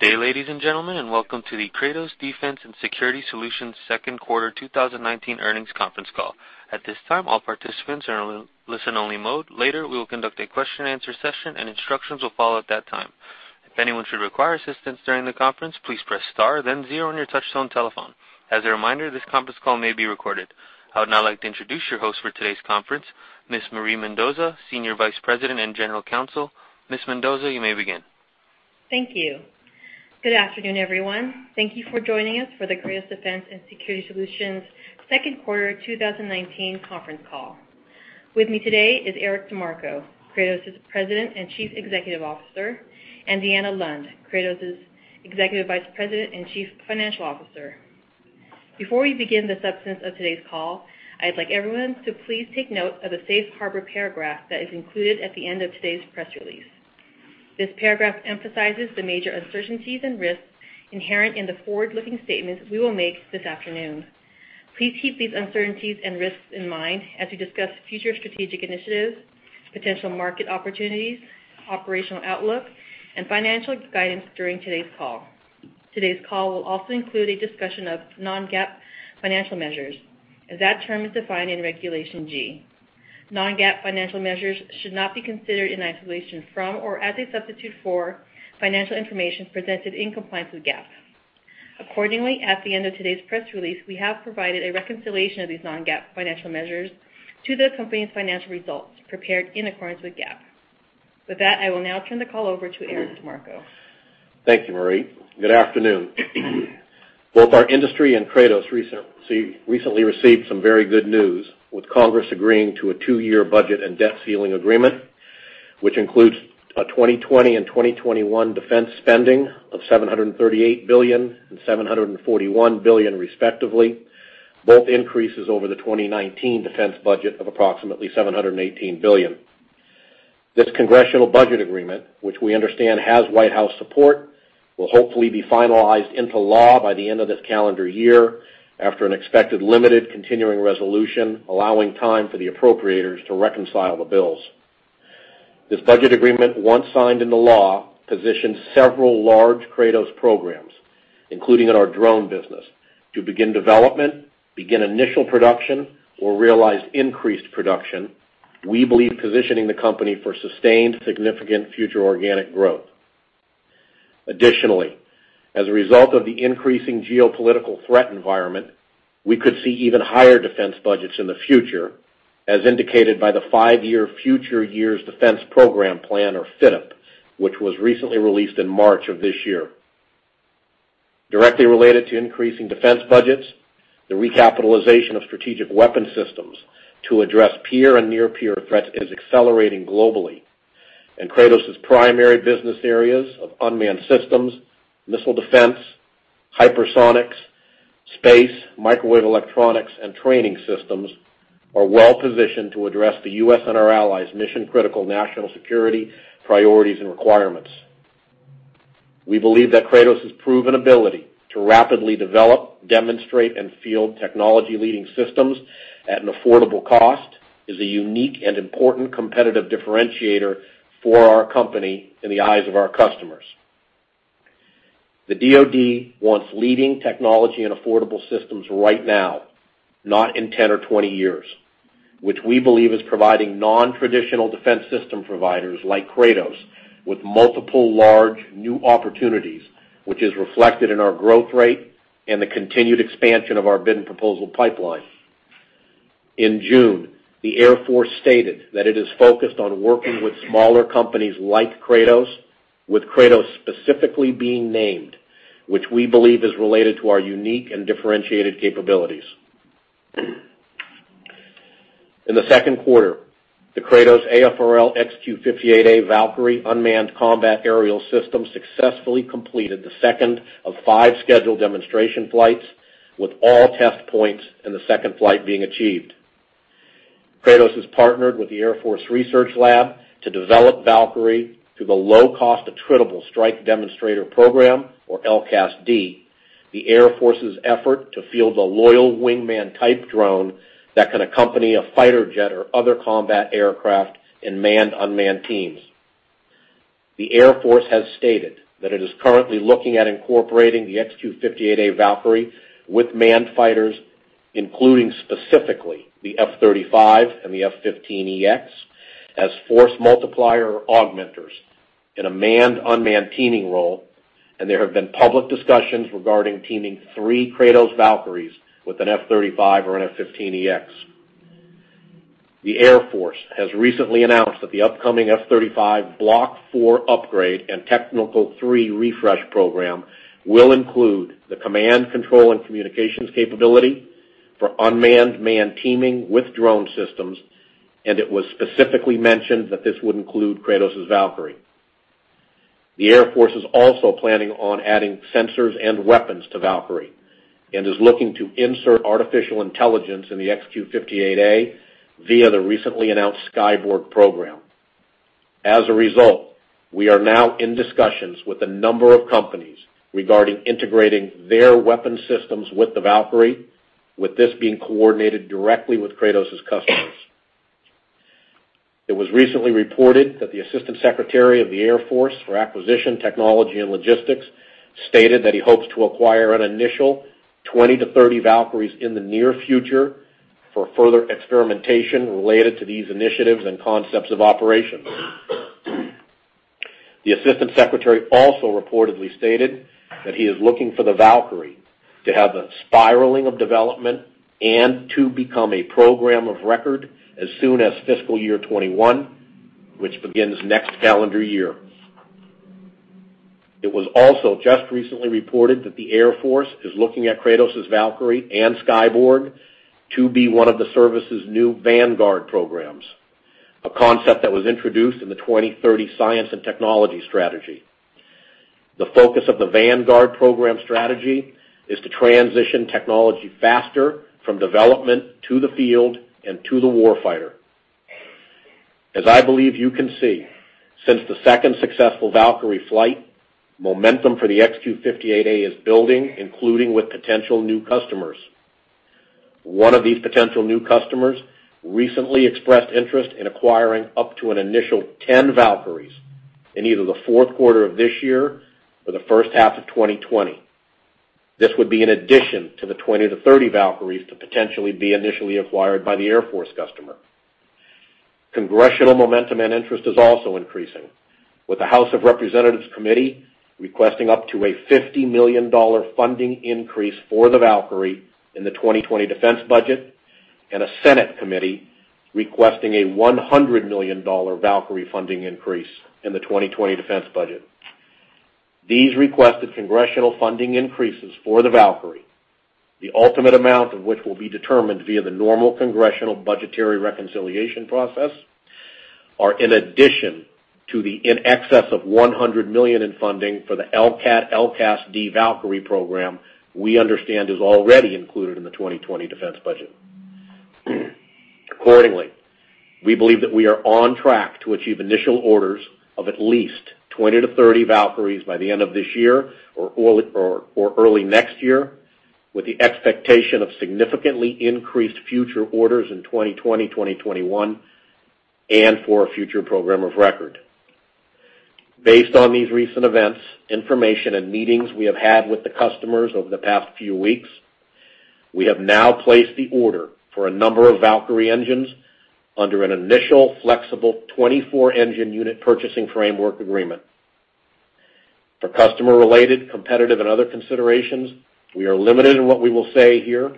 Good day, ladies and gentlemen, and welcome to the Kratos Defense & Security Solutions Q2 2019 Earnings Conference Call. At this time, all participants are in listen only mode. Later, we will conduct a question answer session and instructions will follow at that time. If anyone should require assistance during the conference, please press star then zero on your touchtone telephone. As a reminder, this conference call may be recorded. I would now like to introduce your host for today's conference, Ms. Marie Mendoza, Senior Vice President and General Counsel. Ms. Mendoza, you may begin. Thank you. Good afternoon, everyone. Thank you for joining us for the Kratos Defense & Security Solutions Q2 2019 Conference Call. With me today is Eric DeMarco, Kratos' President and Chief Executive Officer, and Deanna Lund, Kratos' Executive Vice President and Chief Financial Officer. Before we begin the substance of today's call, I'd like everyone to please take note of the safe harbor paragraph that is included at the end of today's press release. This paragraph emphasizes the major uncertainties and risks inherent in the forward-looking statements we will make this afternoon. Please keep these uncertainties and risks in mind as we discuss future strategic initiatives, potential market opportunities, operational outlook, and financial guidance during today's call. Today's call will also include a discussion of non-GAAP financial measures, as that term is defined in Regulation G. Non-GAAP financial measures should not be considered in isolation from or as a substitute for financial information presented in compliance with GAAP. Accordingly, at the end of today's press release, we have provided a reconciliation of these non-GAAP financial measures to the company's financial results prepared in accordance with GAAP. With that, I will now turn the call over to Eric DeMarco. Thank you, Marie. Good afternoon. Both our industry and Kratos recently received some very good news with Congress agreeing to a two-year budget and debt ceiling agreement, which includes a 2020 and 2021 defense spending of $738 billion and $741 billion respectively, both increases over the 2019 defense budget of approximately $718 billion. This congressional budget agreement, which we understand has White House support, will hopefully be finalized into law by the end of this calendar year after an expected limited continuing resolution allowing time for the appropriators to reconcile the bills. This budget agreement, once signed into law, positions several large Kratos programs, including in our drone business, to begin development, begin initial production, or realize increased production, we believe positioning the company for sustained significant future organic growth. Additionally, as a result of the increasing geopolitical threat environment, we could see even higher defense budgets in the future, as indicated by the five-year Future Years Defense Program plan or FYDP, which was recently released in March of this year. Directly related to increasing defense budgets, the recapitalization of strategic weapon systems to address peer and near-peer threats is accelerating globally, and Kratos' primary business areas of unmanned systems, missile defense, hypersonics, space, microwave electronics, and training systems are well-positioned to address the U.S. and our allies' mission-critical national security priorities and requirements. We believe that Kratos' proven ability to rapidly develop, demonstrate, and field technology-leading systems at an affordable cost is a unique and important competitive differentiator for our company in the eyes of our customers. The DoD wants leading technology and affordable systems right now, not in 10 or 20 years, which we believe is providing non-traditional defense system providers like Kratos with multiple large new opportunities, which is reflected in our growth rate and the continued expansion of our bid and proposal pipeline. In June, the Air Force stated that it is focused on working with smaller companies like Kratos, with Kratos specifically being named, which we believe is related to our unique and differentiated capabilities. In the second quarter, the Kratos AFRL XQ-58A Valkyrie unmanned combat aerial system successfully completed the second of five scheduled demonstration flights, with all test points in the second flight being achieved. Kratos has partnered with the Air Force Research Laboratory to develop Valkyrie through the Low-Cost Attritable Strike Demonstrator program, or LCASD, the Air Force's effort to field the loyal wingman-type drone that can accompany a fighter jet or other combat aircraft in manned/unmanned teams. The Air Force has stated that it is currently looking at incorporating the XQ-58A Valkyrie with manned fighters, including specifically the F-35 and the F-15EX, as force multiplier augmenters in a manned/unmanned teaming role, and there have been public discussions regarding teaming three Kratos Valkyries with an F-35 or an F-15EX. The Air Force has recently announced that the upcoming F-35 Block 4 upgrade and Technology Refresh 3 program will include the command, control, and communications capability for unmanned/manned teaming with drone systems, and it was specifically mentioned that this would include Kratos' Valkyrie. The Air Force is also planning on adding sensors and weapons to Valkyrie and is looking to insert artificial intelligence in the XQ-58A via the recently announced Skyborg program. As a result, we are now in discussions with a number of companies regarding integrating their weapon systems with the Valkyrie, with this being coordinated directly with Kratos' customers. It was recently reported that the Assistant Secretary of the Air Force for Acquisition, Technology, and Logistics stated that he hopes to acquire an initial 20-30 Valkyries in the near future for further experimentation related to these initiatives and concepts of operation. The Assistant Secretary also reportedly stated that he is looking for the Valkyrie to have a spiraling of development and to become a program of record as soon as fiscal year 2021, which begins next calendar year. It was also just recently reported that the Air Force is looking at Kratos' Valkyrie and Skyborg to be one of the service's new Vanguard programs, a concept that was introduced in the 2030 science and technology strategy. The focus of the Vanguard Program strategy is to transition technology faster from development to the field and to the war fighter. As I believe you can see, since the second successful Valkyrie flight, momentum for the XQ-58A is building, including with potential new customers. One of these potential new customers recently expressed interest in acquiring up to an initial 10 Valkyries in either the fourth quarter of this year or the first half of 2020. This would be in addition to the 20-30 Valkyries to potentially be initially acquired by the Air Force customer. Congressional momentum and interest is also increasing, with the United States House of Representatives committee requesting up to a $50 million funding increase for the Valkyrie in the 2020 defense budget and a United States Senate committee requesting a $100 million Valkyrie funding increase in the 2020 defense budget. These requested congressional funding increases for the Valkyrie, the ultimate amount of which will be determined via the normal congressional budgetary reconciliation process, are in addition to the in excess of $100 million in funding for the LCAAT/LCASD Valkyrie program we understand is already included in the 2020 defense budget. Accordingly, we believe that we are on track to achieve initial orders of at least 20-30 Valkyries by the end of this year or early next year, with the expectation of significantly increased future orders in 2020, 2021, and for a future program of record. Based on these recent events, information, and meetings we have had with the customers over the past few weeks, we have now placed the order for a number of Valkyrie engines under an initial flexible 24-engine unit purchasing framework agreement. For customer-related competitive and other considerations, we are limited in what we will say here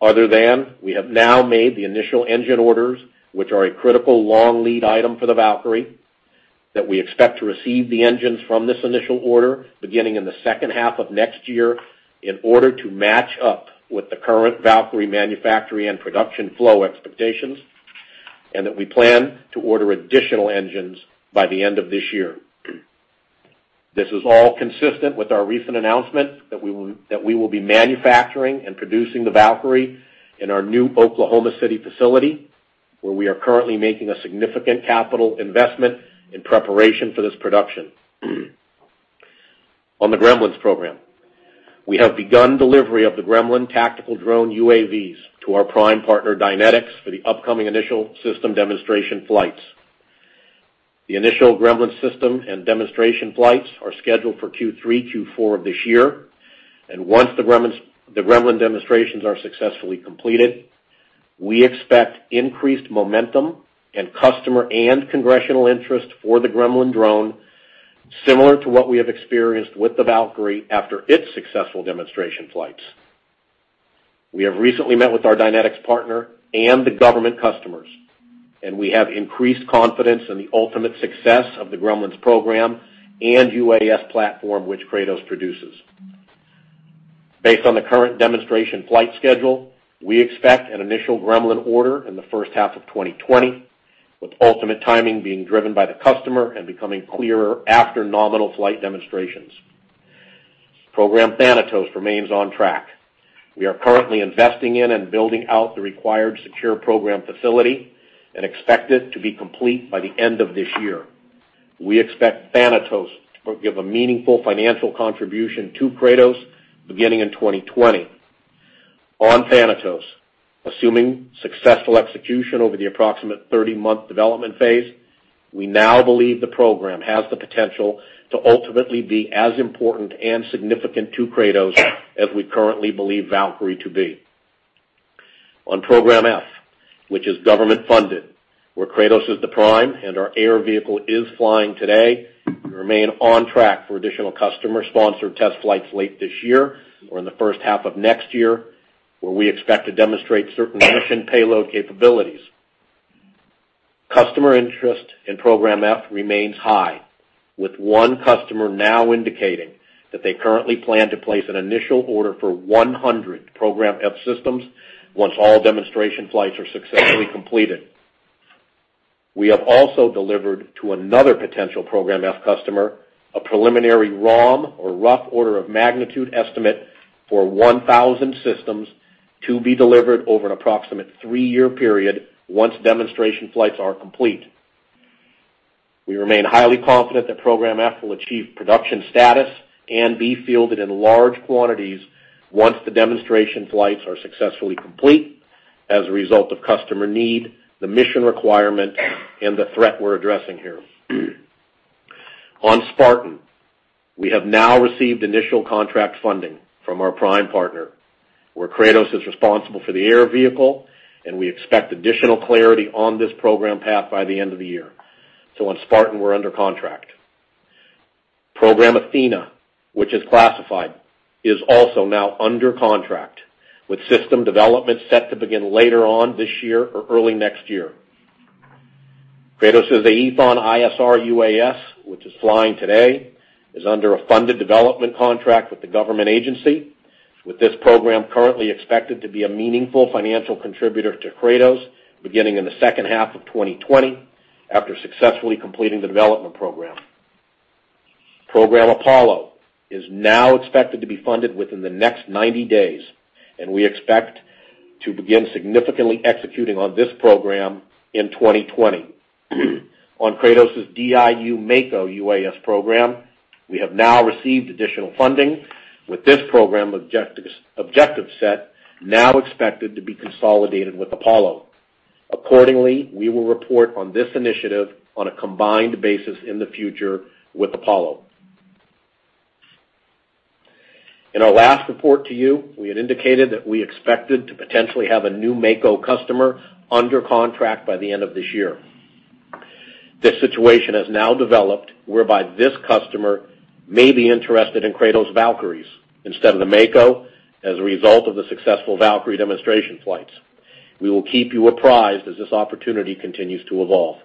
other than we have now made the initial engine orders, which are a critical long lead item for the Valkyrie, that we expect to receive the engines from this initial order beginning in the second half of next year in order to match up with the current Valkyrie manufacturing and production flow expectations, and that we plan to order additional engines by the end of this year. This is all consistent with our recent announcement that we will be manufacturing and producing the Valkyrie in our new Oklahoma City facility, where we are currently making a significant capital investment in preparation for this production. On the Gremlins program, we have begun delivery of the Gremlin tactical drone UAVs to our prime partner, Dynetics, for the upcoming initial system demonstration flights. The initial Gremlin system and demonstration flights are scheduled for Q3, Q4 of this year, and once the Gremlin demonstrations are successfully completed, we expect increased momentum and customer and congressional interest for the Gremlin drone, similar to what we have experienced with the Valkyrie after its successful demonstration flights. We have recently met with our Dynetics partner and the government customers, and we have increased confidence in the ultimate success of the Gremlins program and UAS platform which Kratos produces. Based on the current demonstration flight schedule, we expect an initial Gremlin order in the H1 of 2020, with ultimate timing being driven by the customer and becoming clearer after nominal flight demonstrations. Program Thanatos remains on track. We are currently investing in and building out the required secure program facility and expect it to be complete by the end of this year. We expect Thanatos to give a meaningful financial contribution to Kratos beginning in 2020. On Thanatos, assuming successful execution over the approximate 30-month development phase, we now believe the program has the potential to ultimately be as important and significant to Kratos as we currently believe Valkyrie to be. On Program F, which is government-funded, where Kratos is the prime and our air vehicle is flying today, we remain on track for additional customer-sponsored test flights late this year or in the first half of next year, where we expect to demonstrate certain mission payload capabilities. Customer interest in Program F remains high, with one customer now indicating that they currently plan to place an initial order for 100 Program F systems once all demonstration flights are successfully completed. We have also delivered to another potential Program F customer a preliminary ROM, or rough order of magnitude, estimate for 1,000 systems to be delivered over an approximate three-year period once demonstration flights are complete. We remain highly confident that Program F will achieve production status and be fielded in large quantities once the demonstration flights are successfully complete as a result of customer need, the mission requirement, and the threat we're addressing here. On Spartan, we have now received initial contract funding from our prime partner, where Kratos is responsible for the air vehicle, and we expect additional clarity on this program path by the end of the year. On Spartan, we're under contract. Program Athena, which is classified, is also now under contract, with system development set to begin later on this year or early next year. Kratos' Aethon ISR/UAS, which is flying today, is under a funded development contract with the government agency, with this program currently expected to be a meaningful financial contributor to Kratos beginning in the H2 of 2020 after successfully completing the development program. Program Apollo is now expected to be funded within the next 90 days. We expect to begin significantly executing on this program in 2020. On Kratos' DIU Mako UAS program, we have now received additional funding, with this program objective set now expected to be consolidated with Apollo. Accordingly, we will report on this initiative on a combined basis in the future with Apollo. In our last report to you, we had indicated that we expected to potentially have a new Mako customer under contract by the end of this year. This situation has now developed whereby this customer may be interested in Kratos' Valkyries instead of the Mako as a result of the successful Valkyrie demonstration flights. We will keep you apprised as this opportunity continues to evolve.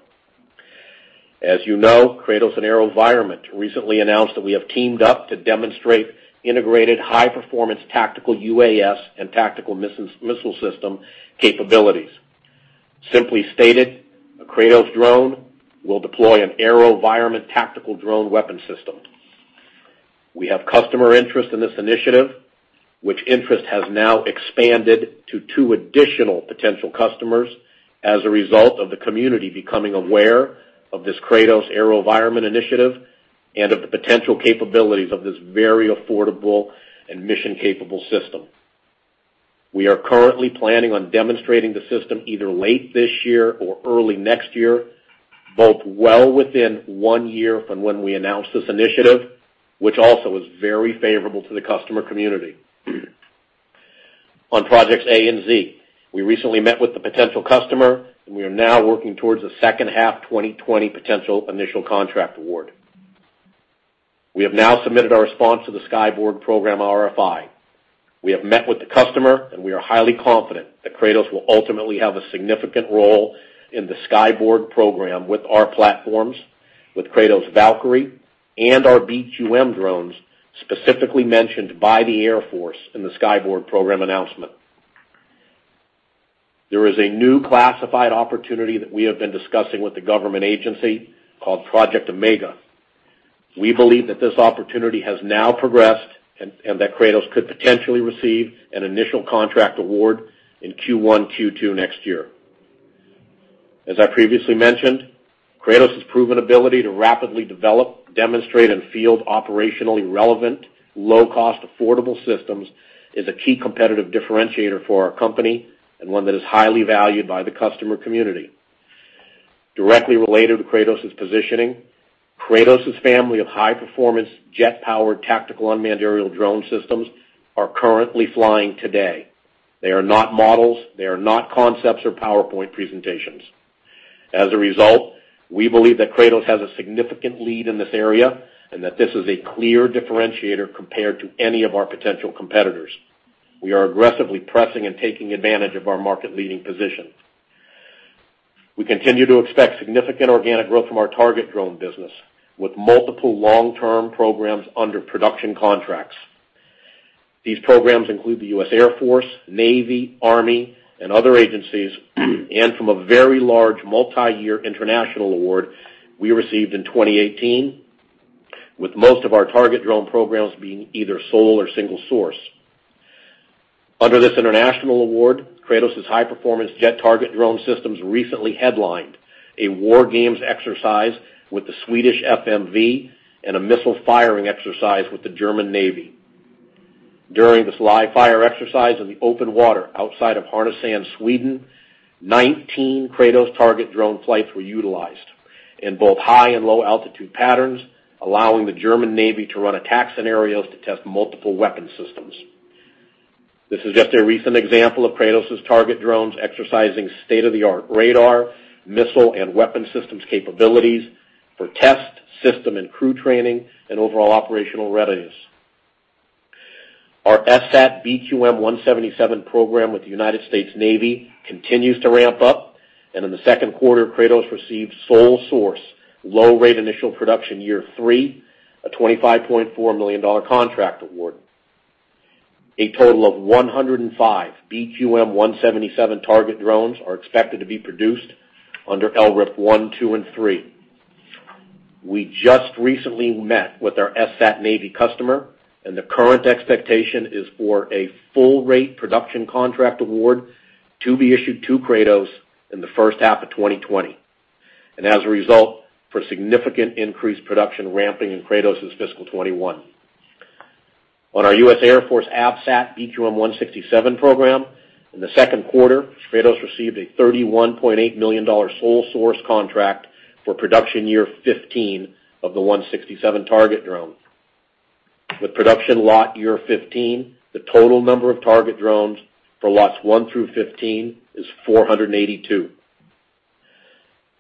As you know, Kratos and AeroVironment recently announced that we have teamed up to demonstrate integrated high-performance tactical UAS and tactical missile system capabilities. Simply stated, a Kratos drone will deploy an AeroVironment tactical drone weapon system. We have customer interest in this initiative, which interest has now expanded to two additional potential customers as a result of the community becoming aware of this Kratos AeroVironment initiative and of the potential capabilities of this very affordable and mission-capable system. We are currently planning on demonstrating the system either late this year or early next year, both well within one year from when we announced this initiative, which also is very favorable to the customer community. On Projects A and Z, we recently met with the potential customer. We are now working towards a H2 2020 potential initial contract award. We have now submitted our response to the Skyborg program RFI. We have met with the customer. We are highly confident that Kratos will ultimately have a significant role in the Skyborg program with our platforms, with Kratos' Valkyrie, and our BQM drones, specifically mentioned by the Air Force in the Skyborg program announcement. There is a new classified opportunity that we have been discussing with the government agency called Project Omega. We believe that this opportunity has now progressed and that Kratos could potentially receive an initial contract award in Q1, Q2 next year. As I previously mentioned, Kratos' proven ability to rapidly develop, demonstrate, and field operationally relevant, low-cost, affordable systems is a key competitive differentiator for our company and one that is highly valued by the customer community. Directly related to Kratos' positioning, Kratos' family of high-performance jet-powered tactical unmanned aerial drone systems are currently flying today. They are not models. They are not concepts or PowerPoint presentations. As a result, we believe that Kratos has a significant lead in this area and that this is a clear differentiator compared to any of our potential competitors. We are aggressively pressing and taking advantage of our market-leading position. We continue to expect significant organic growth from our target drone business, with multiple long-term programs under production contracts. These programs include the U.S. Air Force, Navy, Army, and other agencies, and from a very large multi-year international award we received in 2018, with most of our target drone programs being either sole or single source. Under this international award, Kratos' high-performance jet target drone systems recently headlined a war games exercise with the Swedish FMV and a missile firing exercise with the German Navy. During this live-fire exercise in the open water outside of Härnösand, Sweden, 19 Kratos target drone flights were utilized in both high and low altitude patterns, allowing the German Navy to run attack scenarios to test multiple weapon systems. This is just a recent example of Kratos' target drones exercising state-of-the-art radar, missile, and weapon systems capabilities for test, system and crew training, and overall operational readiness. Our FSAT BQM-177 program with the United States Navy continues to ramp up, and in the second quarter, Kratos received sole source, low-rate initial production year three, a $25.4 million contract award. A total of 105 BQM-177 target drones are expected to be produced under LRIP 1, 2, and 3. We just recently met with our FSAT Navy customer, and the current expectation is for a full-rate production contract award to be issued to Kratos in the H1 of 2020, and as a result, for significant increased production ramping in Kratos' fiscal 2021. On our U.S. Air Force AFSAT BQM-167 program, in the second quarter, Kratos received a $31.8 million sole-source contract for production year 15 of the 167 target drone. With production lot year 15, the total number of target drones for lots 1 through 15 is 482.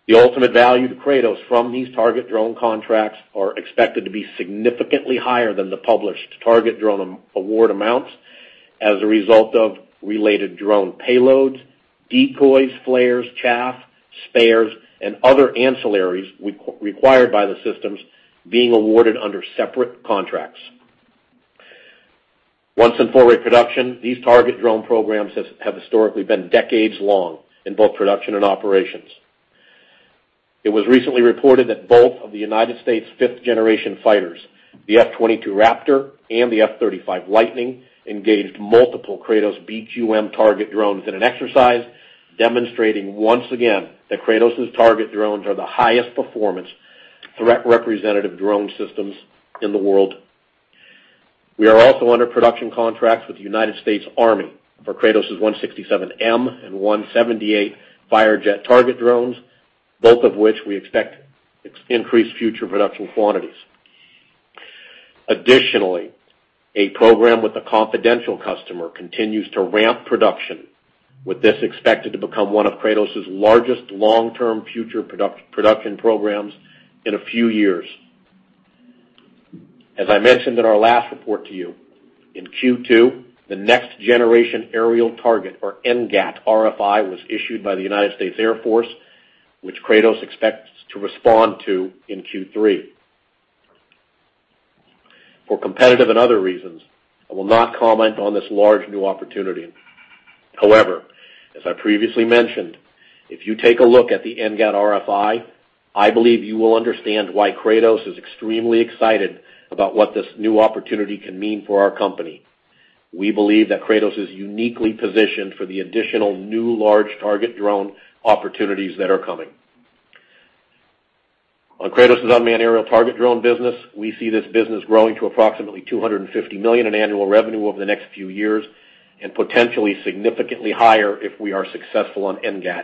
The ultimate value to Kratos from these target drone contracts are expected to be significantly higher than the published target drone award amounts as a result of related drone payloads, decoys, flares, chaff, spares, and other ancillaries required by the systems being awarded under separate contracts. Once in full-rate production, these target drone programs have historically been decades long in both production and operations. It was recently reported that both of the United States' fifth-generation fighters, the F-22 Raptor and the F-35 Lightning, engaged multiple Kratos BQM target drones in an exercise, demonstrating once again that Kratos' target drones are the highest performance, threat-representative drone systems in the world. We are also under production contracts with the United States Army for Kratos' 167M and 178 Firejet target drones, both of which we expect increased future production quantities. Additionally, a program with a confidential customer continues to ramp production, with this expected to become one of Kratos' largest long-term future production programs in a few years. As I mentioned in our last report to you, in Q2, the Next Generation Aerial Target, or NGAT RFI, was issued by the United States Air Force, which Kratos expects to respond to in Q3. For competitive and other reasons, I will not comment on this large new opportunity. However, as I previously mentioned, if you take a look at the NGAT RFI, I believe you will understand why Kratos is extremely excited about what this new opportunity can mean for our company. We believe that Kratos is uniquely positioned for the additional new large target drone opportunities that are coming. On Kratos' unmanned aerial target drone business, we see this business growing to approximately $250 million in annual revenue over the next few years and potentially significantly higher if we are successful on NGAT.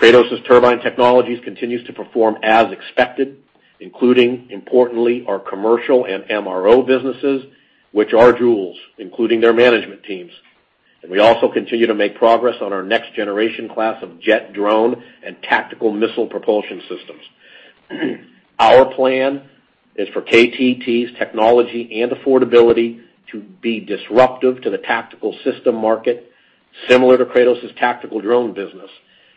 Kratos Turbine Technologies continues to perform as expected, including, importantly, our commercial and MRO businesses, which are jewels, including their management teams. We also continue to make progress on our next generation class of jet drone and tactical missile propulsion systems. Our plan is for KTT's technology and affordability to be disruptive to the tactical system market, similar to Kratos' tactical drone business,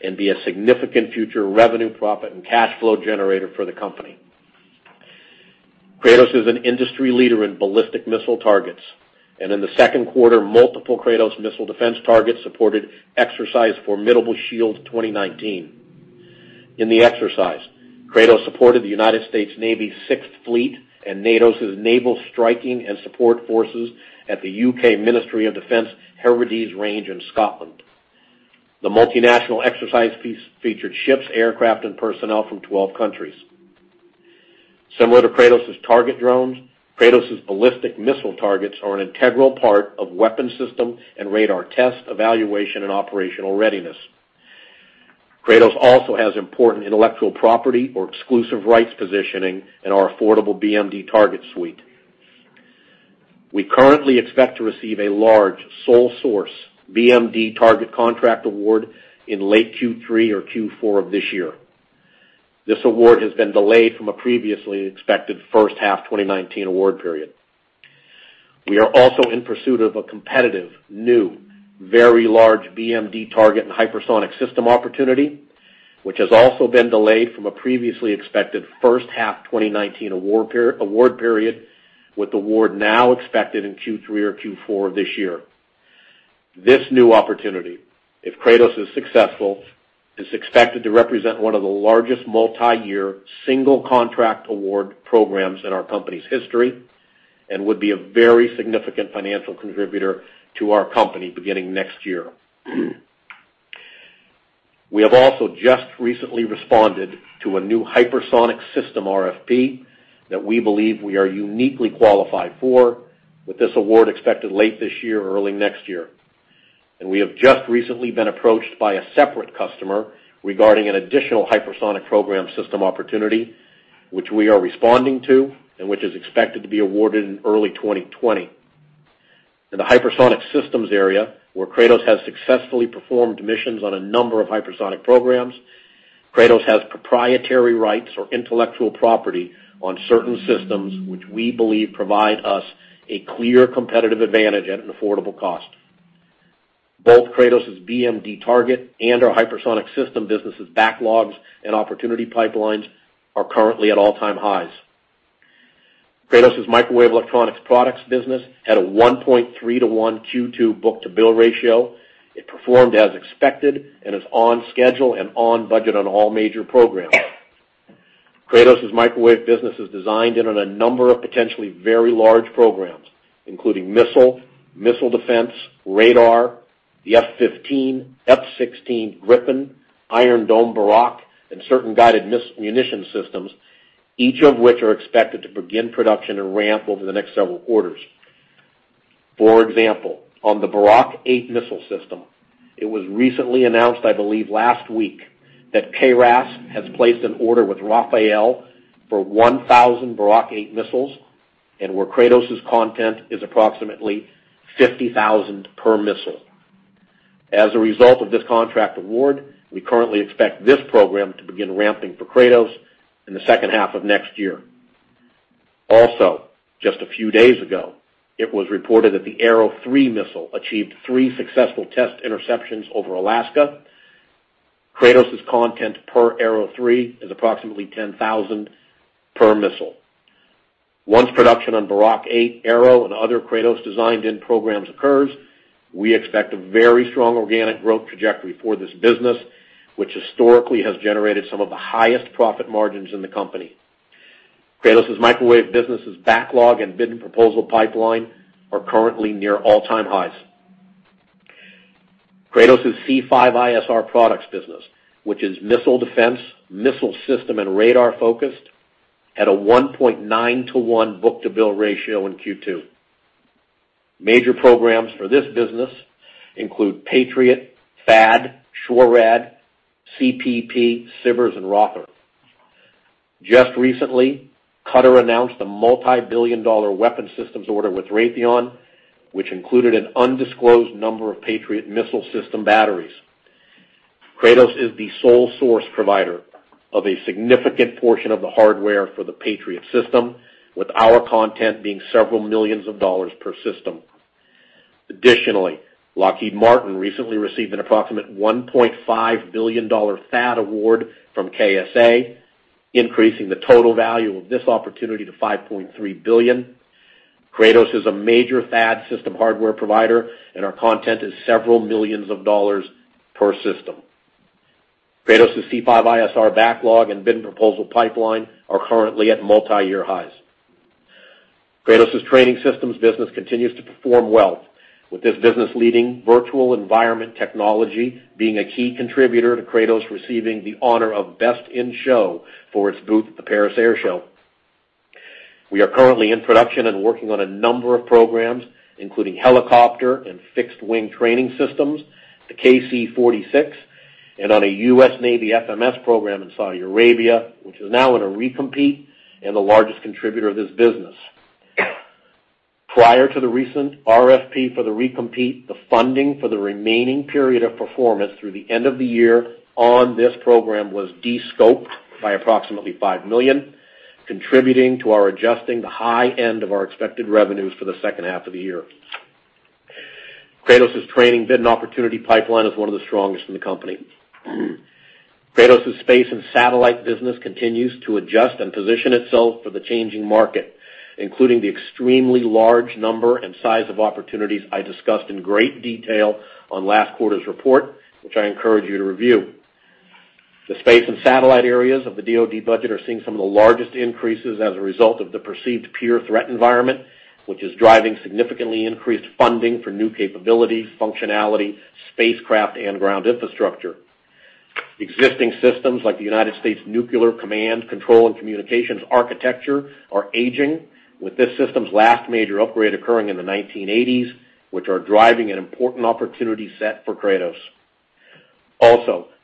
and be a significant future revenue, profit, and cash flow generator for the company. Kratos is an industry leader in ballistic missile targets, and in the second quarter, multiple Kratos missile defense targets supported exercise Formidable Shield 2019. In the exercise, Kratos supported the United States Navy's Sixth Fleet and NATO's naval striking and support forces at the U.K. Ministry of Defence's Hebrides range in Scotland. The multinational exercise featured ships, aircraft, and personnel from 12 countries. Similar to Kratos' target drones, Kratos' ballistic missile targets are an integral part of weapon system and radar test evaluation and operational readiness. Kratos also has important intellectual property or exclusive rights positioning in our affordable BMD target suite. We currently expect to receive a large sole source BMD target contract award in late Q3 or Q4 of this year. This award has been delayed from a previously expected H1 2019 award period. We are also in pursuit of a competitive, new, very large BMD target and hypersonic system opportunity, which has also been delayed from a previously expected H1 2019 award period, with award now expected in Q3 or Q4 of this year. This new opportunity, if Kratos is successful, is expected to represent one of the largest multi-year single contract award programs in our company's history and would be a very significant financial contributor to our company beginning next year. We have also just recently responded to a new hypersonic system RFP that we believe we are uniquely qualified for, with this award expected late this year or early next year. We have just recently been approached by a separate customer regarding an additional hypersonic program system opportunity, which we are responding to and which is expected to be awarded in early 2020. In the hypersonic systems area, where Kratos has successfully performed missions on a number of hypersonic programs, Kratos has proprietary rights or intellectual property on certain systems which we believe provide us a clear competitive advantage at an affordable cost. Both Kratos' BMD target and our hypersonic system businesses' backlogs and opportunity pipelines are currently at all-time highs. Kratos' microwave electronics products business had a 1.3:1 Q2 book-to-bill ratio. It performed as expected and is on schedule and on budget on all major programs. Kratos' microwave business is designed in on a number of potentially very large programs, including missile defense, radar, the F-15, F-16, Griffin, Iron Dome Barak, and certain guided munition systems, each of which are expected to begin production and ramp over the next several quarters. For example, on the Barak 8 missile system, it was recently announced, I believe last week, that KRAS has placed an order with Rafael for 1,000 Barak 8 missiles and where Kratos' content is approximately $50,000 per missile. As a result of this contract award, we currently expect this program to begin ramping for Kratos in the second half of next year. Just a few days ago, it was reported that the Arrow 3 missile achieved three successful test interceptions over Alaska. Kratos' content per Arrow 3 is approximately $10,000 per missile. Once production on Barak 8, Arrow, and other Kratos designed-in programs occurs, we expect a very strong organic growth trajectory for this business, which historically has generated some of the highest profit margins in the company. Kratos' microwave business' backlog and bid proposal pipeline are currently near all-time highs. Kratos' C5ISR products business, which is missile defense, missile system, and radar focused, had a 1.9:1 book-to-bill ratio in Q2. Major programs for this business include Patriot, THAAD, SHORAD, CPP, SBIRS, and ROTHR. Just recently, Qatar announced a multibillion-dollar weapon systems order with Raytheon, which included an undisclosed number of Patriot missile system batteries. Kratos is the sole source provider of a significant portion of the hardware for the Patriot system, with our content being several millions of dollars per system. Lockheed Martin recently received an approximate $1.5 billion THAAD award from KSA, increasing the total value of this opportunity to $5.3 billion. Kratos is a major THAAD system hardware provider, and our content is several millions of dollars per system. Kratos' C5ISR backlog and bid proposal pipeline are currently at multiyear highs. Kratos' training systems business continues to perform well, with this business leading virtual environment technology being a key contributor to Kratos receiving the honor of Best in Show for its booth at the Paris Air Show. We are currently in production and working on a number of programs, including helicopter and fixed-wing training systems, the KC-46, and on a U.S. Navy FMS program in Saudi Arabia, which is now in a recompete and the largest contributor of this business. Prior to the recent RFP for the recompete, the funding for the remaining period of performance through the end of the year on this program was de-scoped by approximately $5 million, contributing to our adjusting the high end of our expected revenues for the second half of the year. Kratos' training bid and opportunity pipeline is one of the strongest in the company. Kratos' space and satellite business continues to adjust and position itself for the changing market, including the extremely large number and size of opportunities I discussed in great detail on last quarter's report, which I encourage you to review. The space and satellite areas of the DoD budget are seeing some of the largest increases as a result of the perceived peer threat environment, which is driving significantly increased funding for new capabilities, functionality, spacecraft, and ground infrastructure. Existing systems like the United States Nuclear Command, Control, and Communications architecture are aging, with this system's last major upgrade occurring in the 1980s, which are driving an important opportunity set for Kratos.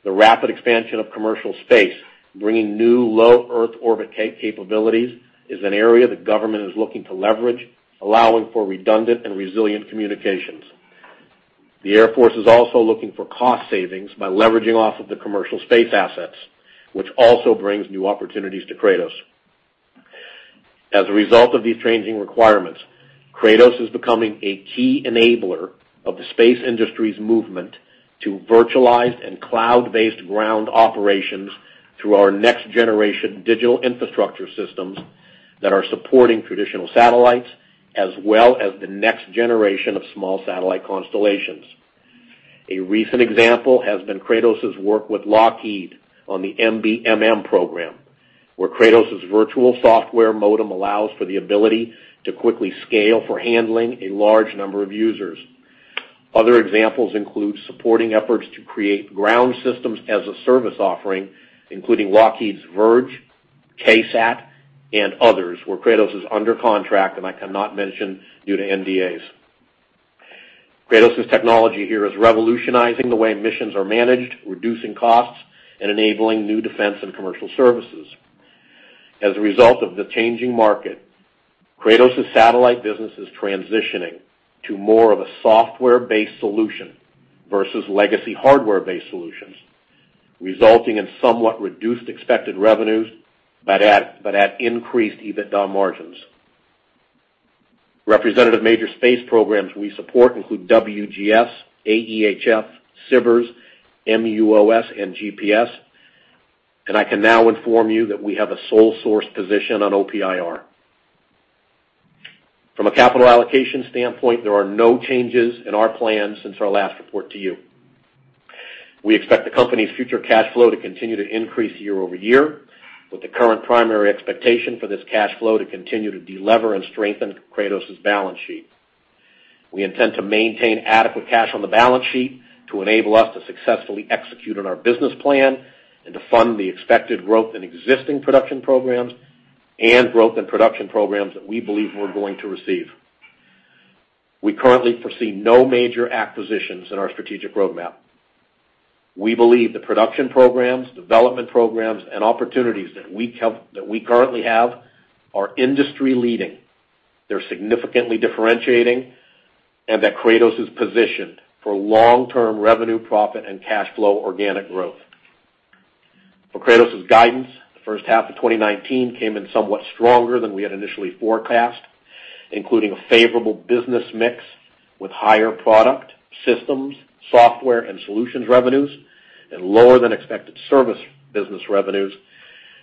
The rapid expansion of commercial space, bringing new low Earth orbit capabilities, is an area the government is looking to leverage, allowing for redundant and resilient communications. The Air Force is also looking for cost savings by leveraging off of the commercial space assets, which also brings new opportunities to Kratos. As a result of these changing requirements, Kratos is becoming a key enabler of the space industry's movement to virtualized and cloud-based ground operations through our next-generation digital infrastructure systems that are supporting traditional satellites, as well as the next generation of small satellite constellations. A recent example has been Kratos' work with Lockheed on the MBMM program, where Kratos' virtual software modem allows for the ability to quickly scale for handling a large number of users. Other examples include supporting efforts to create ground systems as a service offering, including Lockheed's Verge, KSAT, and others where Kratos is under contract and I cannot mention due to NDAs. Kratos' technology here is revolutionizing the way missions are managed, reducing costs, and enabling new defense and commercial services. As a result of the changing market, Kratos' satellite business is transitioning to more of a software-based solution versus legacy hardware-based solutions, resulting in somewhat reduced expected revenues, but at increased EBITDA margins. Representative major space programs we support include WGS, AEHF, SBIRS, MUOS, and GPS. I can now inform you that we have a sole source position on OPIR. From a capital allocation standpoint, there are no changes in our plan since our last report to you. We expect the company's future cash flow to continue to increase year over year, with the current primary expectation for this cash flow to continue to delever and strengthen Kratos' balance sheet. We intend to maintain adequate cash on the balance sheet to enable us to successfully execute on our business plan and to fund the expected growth in existing production programs and growth in production programs that we believe we're going to receive. We currently foresee no major acquisitions in our strategic roadmap. We believe the production programs, development programs, and opportunities that we currently have are industry-leading, they're significantly differentiating, and that Kratos is positioned for long-term revenue, profit, and cash flow organic growth. For Kratos' guidance, the H1 of 2019 came in somewhat stronger than we had initially forecast, including a favorable business mix with higher product, systems, software, and solutions revenues, and lower than expected service business revenues,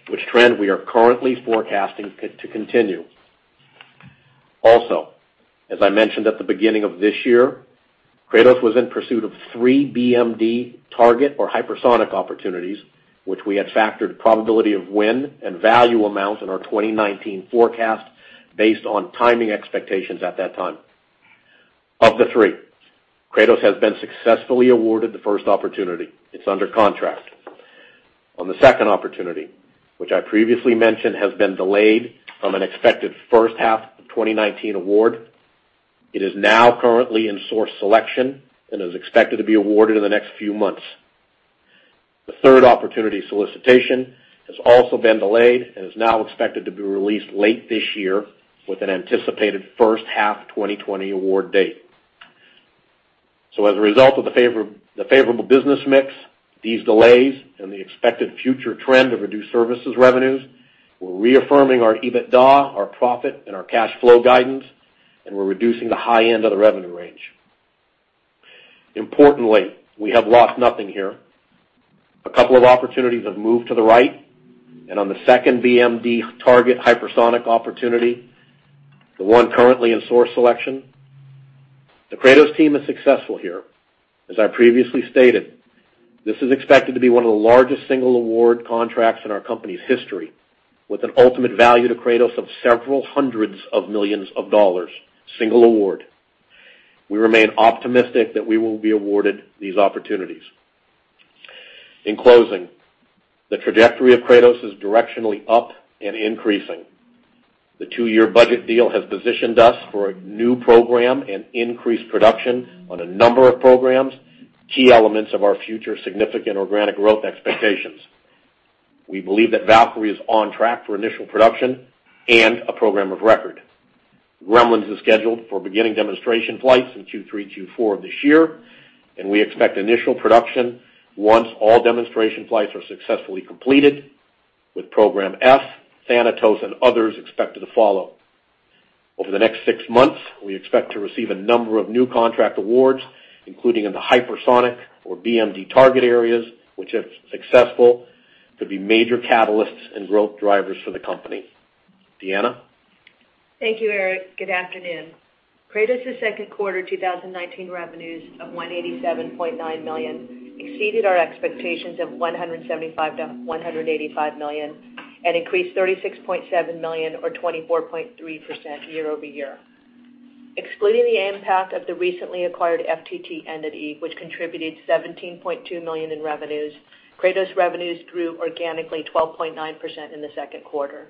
which trend we are currently forecasting to continue. As I mentioned at the beginning of this year, Kratos was in pursuit of three BMD target or hypersonic opportunities, which we had factored probability of win and value amounts in our 2019 forecast based on timing expectations at that time. Of the three, Kratos has been successfully awarded the first opportunity. It's under contract. On the second opportunity, which I previously mentioned has been delayed from an expected H1 of 2019 award, it is now currently in source selection and is expected to be awarded in the next few months. The third opportunity solicitation has also been delayed and is now expected to be released late this year with an anticipated H1 2020 award date. As a result of the favorable business mix, these delays, and the expected future trend of reduced services revenues, we're reaffirming our EBITDA, our profit, and our cash flow guidance, and we're reducing the high end of the revenue range. Importantly, we have lost nothing here. A couple of opportunities have moved to the right, and on the second BMD target hypersonic opportunity, the one currently in source selection, the Kratos team is successful here. As I previously stated, this is expected to be one of the largest single award contracts in our company's history, with an ultimate value to Kratos of several hundreds of millions of dollars. Single award. We remain optimistic that we will be awarded these opportunities. In closing, the trajectory of Kratos is directionally up and increasing. The two-year budget deal has positioned us for a new program and increased production on a number of programs, key elements of our future significant organic growth expectations. We believe that Valkyrie is on track for initial production and a program of record. Gremlins is scheduled for beginning demonstration flights in Q3, Q4 of this year, and we expect initial production once all demonstration flights are successfully completed, with Program F, Thanatos, and others expected to follow. Over the next six months, we expect to receive a number of new contract awards, including in the hypersonic or BMD target areas, which if successful, could be major catalysts and growth drivers for the company. Deanna? Thank you, Eric. Good afternoon. Kratos' Q2 2019 revenues of $187.9 million exceeded our expectations of $175 million-$185 million and increased $36.7 million or 24.3% year-over-year. Excluding the impact of the recently acquired FTT entity, which contributed $17.2 million in revenues, Kratos revenues grew organically 12.9% in the second quarter.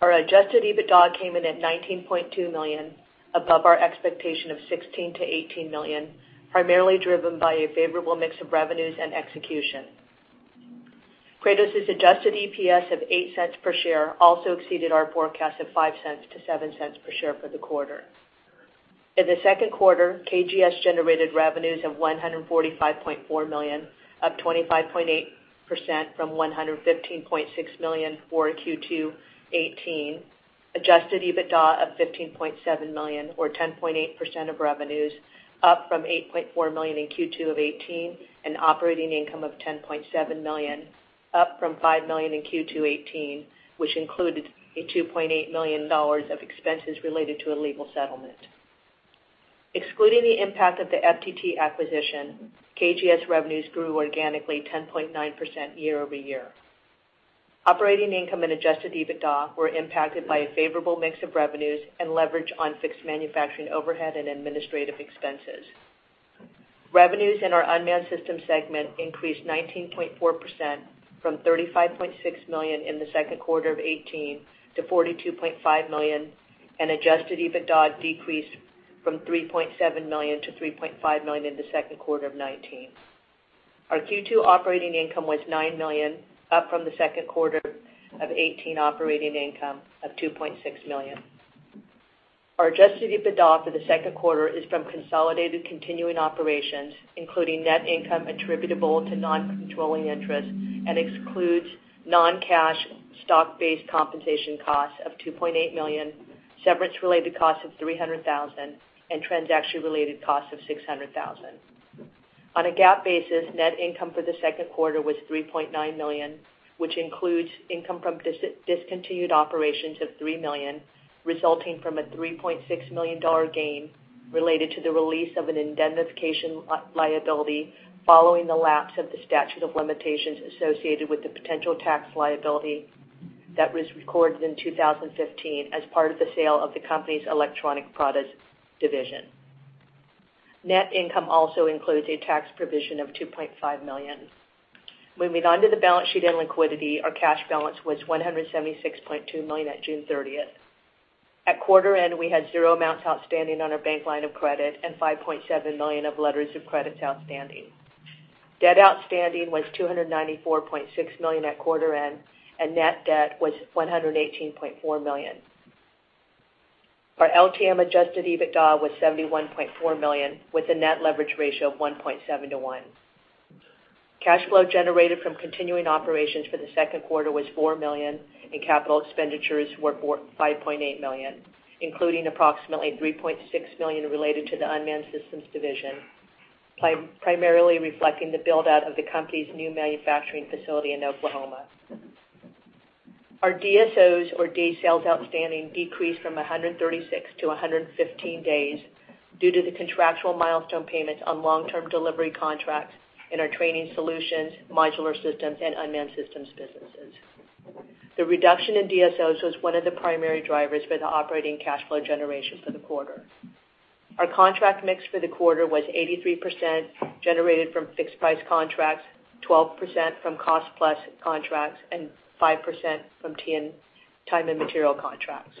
Our adjusted EBITDA came in at $19.2 million, above our expectation of $16 million-$18 million, primarily driven by a favorable mix of revenues and execution. Kratos' adjusted EPS of $0.08 per share also exceeded our forecast of $0.05-$0.07 per share for the quarter. In the Q2, KGS generated revenues of $145.4 million, up 25.8% from $115.6 million for Q2 2018, adjusted EBITDA of $15.7 million or 10.8% of revenues, up from $8.4 million in Q2 2018, and operating income of $10.7 million, up from $5 million in Q2 2018, which included a $2.8 million of expenses related to a legal settlement. Excluding the impact of the FTT acquisition, KGS revenues grew organically 10.9% year-over-year. Operating income and adjusted EBITDA were impacted by a favorable mix of revenues and leverage on fixed manufacturing overhead and administrative expenses. Revenues in our unmanned system segment increased 19.4% from $35.6 million in the Q2 of 2018 to $42.5 million, and adjusted EBITDA decreased from $3.7 million-$3.5 million in the Q2 of 2019. Our Q2 operating income was $9 million, up from the Q2 of 2018 operating income of $2.6 million. Our adjusted EBITDA for the second quarter is from consolidated continuing operations, including net income attributable to non-controlling interests and excludes non-cash stock-based compensation costs of $2.8 million, severance-related costs of $300,000, and transaction-related costs of $600,000. On a GAAP basis, net income for the Q2 was $3.9 million, which includes income from discontinued operations of $3 million, resulting from a $3.6 million gain related to the release of an indemnification liability following the lapse of the statute of limitations associated with the potential tax liability that was recorded in 2015 as part of the sale of the company's electronic products division. Net income also includes a tax provision of $2.5 million. When we go onto the balance sheet and liquidity, our cash balance was $176.2 million at June 30th. At quarter end, we had zero amounts outstanding on our bank line of credit and $5.7 million of letters of credits outstanding. Debt outstanding was $294.6 million at quarter end, and net debt was $118.4 million. Our LTM adjusted EBITDA was $71.4 million, with a net leverage ratio of 1.7 to one. Cash flow generated from continuing operations for the Q2 was $4 million, and capital expenditures were $5.8 million, including approximately $3.6 million related to the unmanned systems division, primarily reflecting the build-out of the company's new manufacturing facility in Oklahoma. Our DSOs or day sales outstanding decreased from 136-115 days due to the contractual milestone payments on long-term delivery contracts in our training solutions, modular systems, and unmanned systems businesses. The reduction in DSOs was one of the primary drivers for the operating cash flow generation for the quarter. Our contract mix for the quarter was 83% generated from fixed-price contracts, 12% from cost-plus contracts, and 5% from time and material contracts.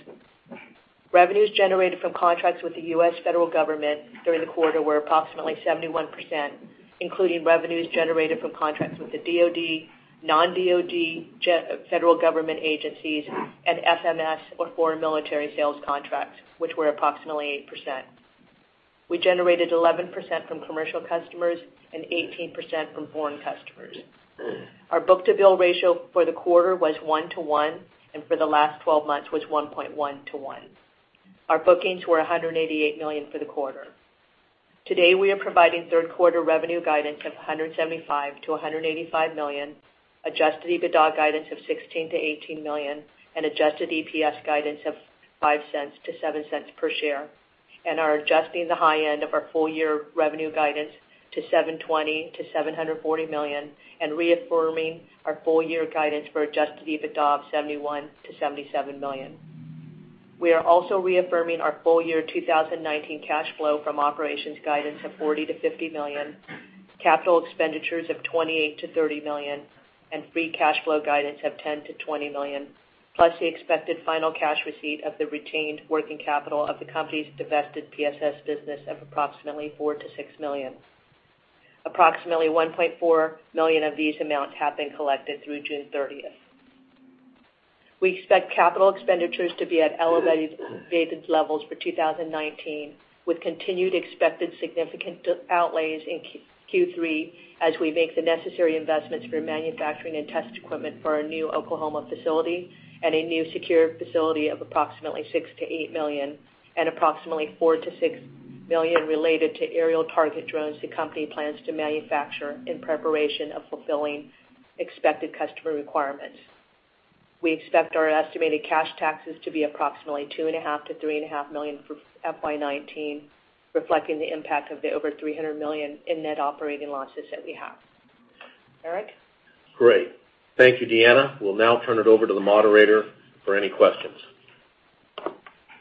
Revenues generated from contracts with the U.S. federal government during the quarter were approximately 71%, including revenues generated from contracts with the DoD, non-DoD federal government agencies, and FMS or foreign military sales contracts, which were approximately 8%. We generated 11% from commercial customers and 18% from foreign customers. Our book-to-bill ratio for the quarter was 1 to 1, and for the last 12 months was 1.1 to 1. Our bookings were $188 million for the quarter. Today, we are providing Q3 revenue guidance of $175 million-$185 million, adjusted EBITDA guidance of $16 million-$18 million, and adjusted EPS guidance of $0.05-$0.07 per share, and are adjusting the high end of our full-year revenue guidance to $720 million-$740 million, and reaffirming our full-year guidance for adjusted EBITDA of $71 million-$77 million. We are also reaffirming our full-year 2019 cash flow from operations guidance of $40 million-$50 million, capital expenditures of $28 million-$30 million, and free cash flow guidance of $10 million-$20 million, plus the expected final cash receipt of the retained working capital of the company's divested PSS business of approximately $4 million-$6 million. Approximately $1.4 million of these amounts have been collected through June 30th. We expect capital expenditures to be at elevated levels for 2019, with continued expected significant outlays in Q3 as we make the necessary investments for manufacturing and test equipment for our new Oklahoma facility and a new secure facility of approximately $6 million-$8 million and approximately $4 million-$6 million related to aerial target drones the company plans to manufacture in preparation of fulfilling expected customer requirements. We expect our estimated cash taxes to be approximately $2.5 million-$3.5 million for FY 2019, reflecting the impact of the over $300 million in net operating losses that we have. Eric? Great. Thank you, Deanna. We'll now turn it over to the moderator for any questions.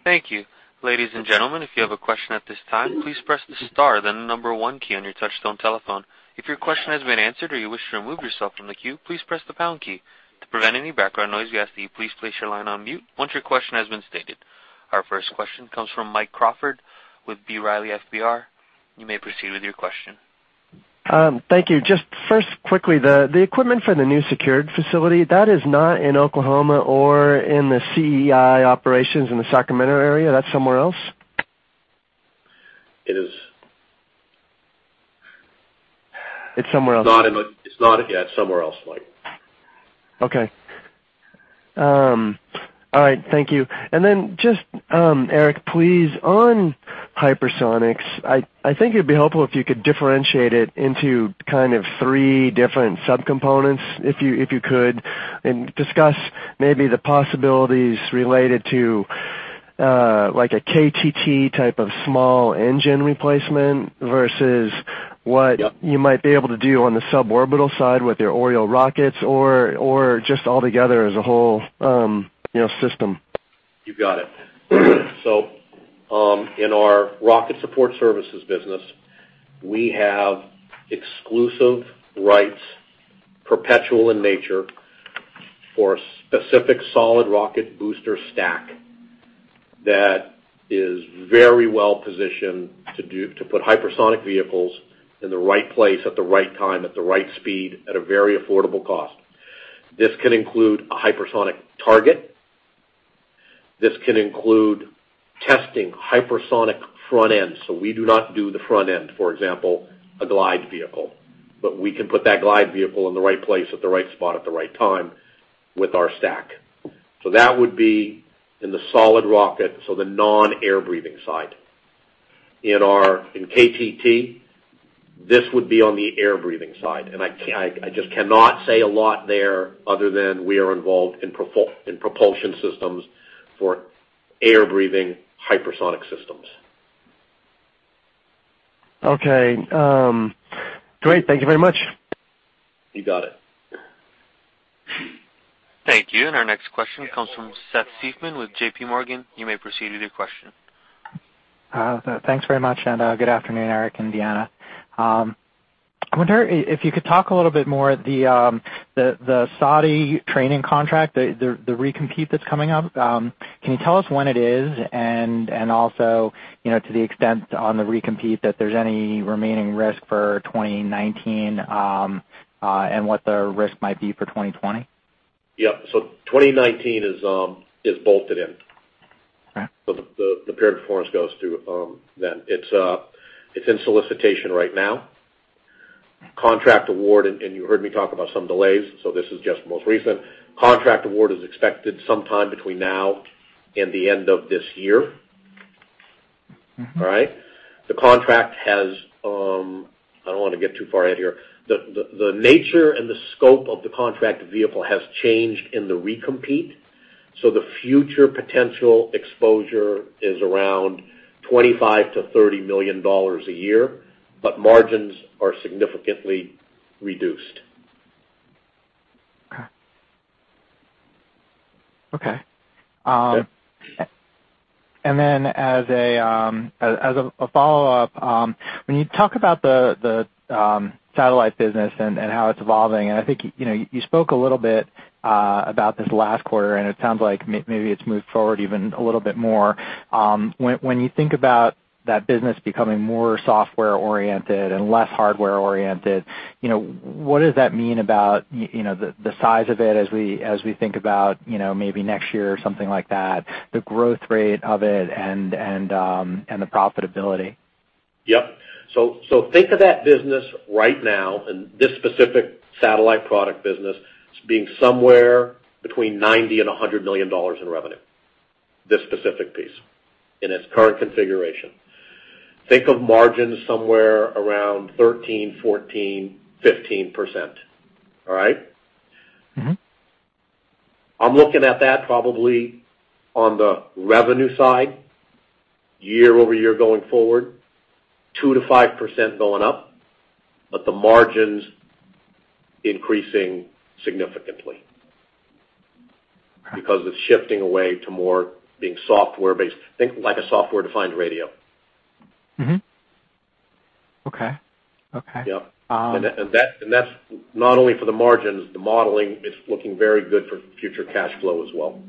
Thank you. Ladies and gentlemen, if you have a question at this time, please press the star then the number one key on your touchtone telephone. If your question has been answered or you wish to remove yourself from the queue, please press the pound key. To prevent any background noise, we ask that you please place your line on mute once your question has been stated. Our first question comes from Mike Crawford with B. Riley FBR. You may proceed with your question. Thank you. Just first, quickly, the equipment for the new secured facility, that is not in Oklahoma or in the CEI operations in the Sacramento area. That's somewhere else? It is. It's somewhere else. It's not, yeah, it's somewhere else, Mike. Okay. All right, thank you. Then just, Eric, please, on hypersonics, I think it'd be helpful if you could differentiate it into kind of three different subcomponents, if you could, and discuss maybe the possibilities related to a KTT type of small engine replacement versus. Yep. You might be able to do on the suborbital side with your Oriole rockets or just altogether as a whole system. You got it. In our rocket support services business, we have exclusive rights, perpetual in nature, for a specific solid rocket booster stack that is very well positioned to put hypersonic vehicles in the right place at the right time at the right speed at a very affordable cost. This can include testing hypersonic front end. We do not do the front end, for example, a glide vehicle. We can put that glide vehicle in the right place at the right spot at the right time with our stack. That would be in the solid rocket, so the non-air-breathing side. In KTT, this would be on the air-breathing side. I just cannot say a lot there other than we are involved in propulsion systems for air-breathing hypersonic systems. Okay. Great. Thank you very much. You got it. Thank you. Our next question comes from Seth Seifman with JPMorgan. You may proceed with your question. Thanks very much, and good afternoon, Eric and Deanna. I wonder if you could talk a little bit more, the Saudi training contract, the recompete that's coming up. Can you tell us when it is? Also, to the extent on the recompete that there's any remaining risk for 2019, and what the risk might be for 2020? Yep. 2019 is bolted in. Okay. The period performance goes through then. It's in solicitation right now. Contract award, and you heard me talk about some delays, so this is just most recent. Contract award is expected sometime between now and the end of this year. All right? I don't want to get too far ahead here. The nature and the scope of the contract vehicle has changed in the recompete, so the future potential exposure is around $25 million-$30 million a year, but margins are significantly reduced. Okay. Yeah. As a follow-up, when you talk about the satellite business and how it's evolving, and I think you spoke a little bit about this last quarter, and it sounds like maybe it's moved forward even a little bit more. When you think about that business becoming more software-oriented and less hardware-oriented, what does that mean about the size of it as we think about maybe next year or something like that, the growth rate of it and the profitability? Yep. Think of that business right now, and this specific satellite product business as being somewhere between $90 million-$100 million in revenue. This specific piece in its current configuration. Think of margins somewhere around 13%, 14%, 15%. All right? I'm looking at that probably on the revenue side, year-over-year going forward, 2%-5% going up, but the margins increasing significantly. Okay. It's shifting away to more being software based. Think like a software-defined radio. Mm-hmm. Okay. Yep. That's not only for the margins, the modeling is looking very good for future cash flow as well.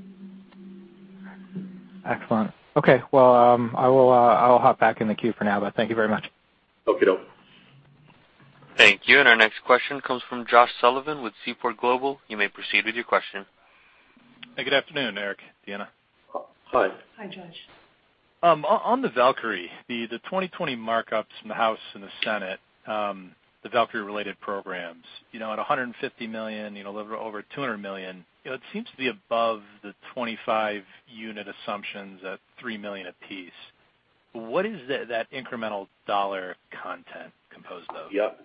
Excellent. Okay. Well, I'll hop back in the queue for now, but thank you very much. Okey doke. Thank you. Our next question comes from Josh Sullivan with Seaport Global. You may proceed with your question. Good afternoon, Eric, Deanna. Hi. Hi, Josh. On the Valkyrie, the 2020 markups in the House and the Senate, the Valkyrie related programs. At $150 million, a little over $200 million, it seems to be above the 25 unit assumptions at $3 million a piece. What is that incremental dollar content composed of? Yep.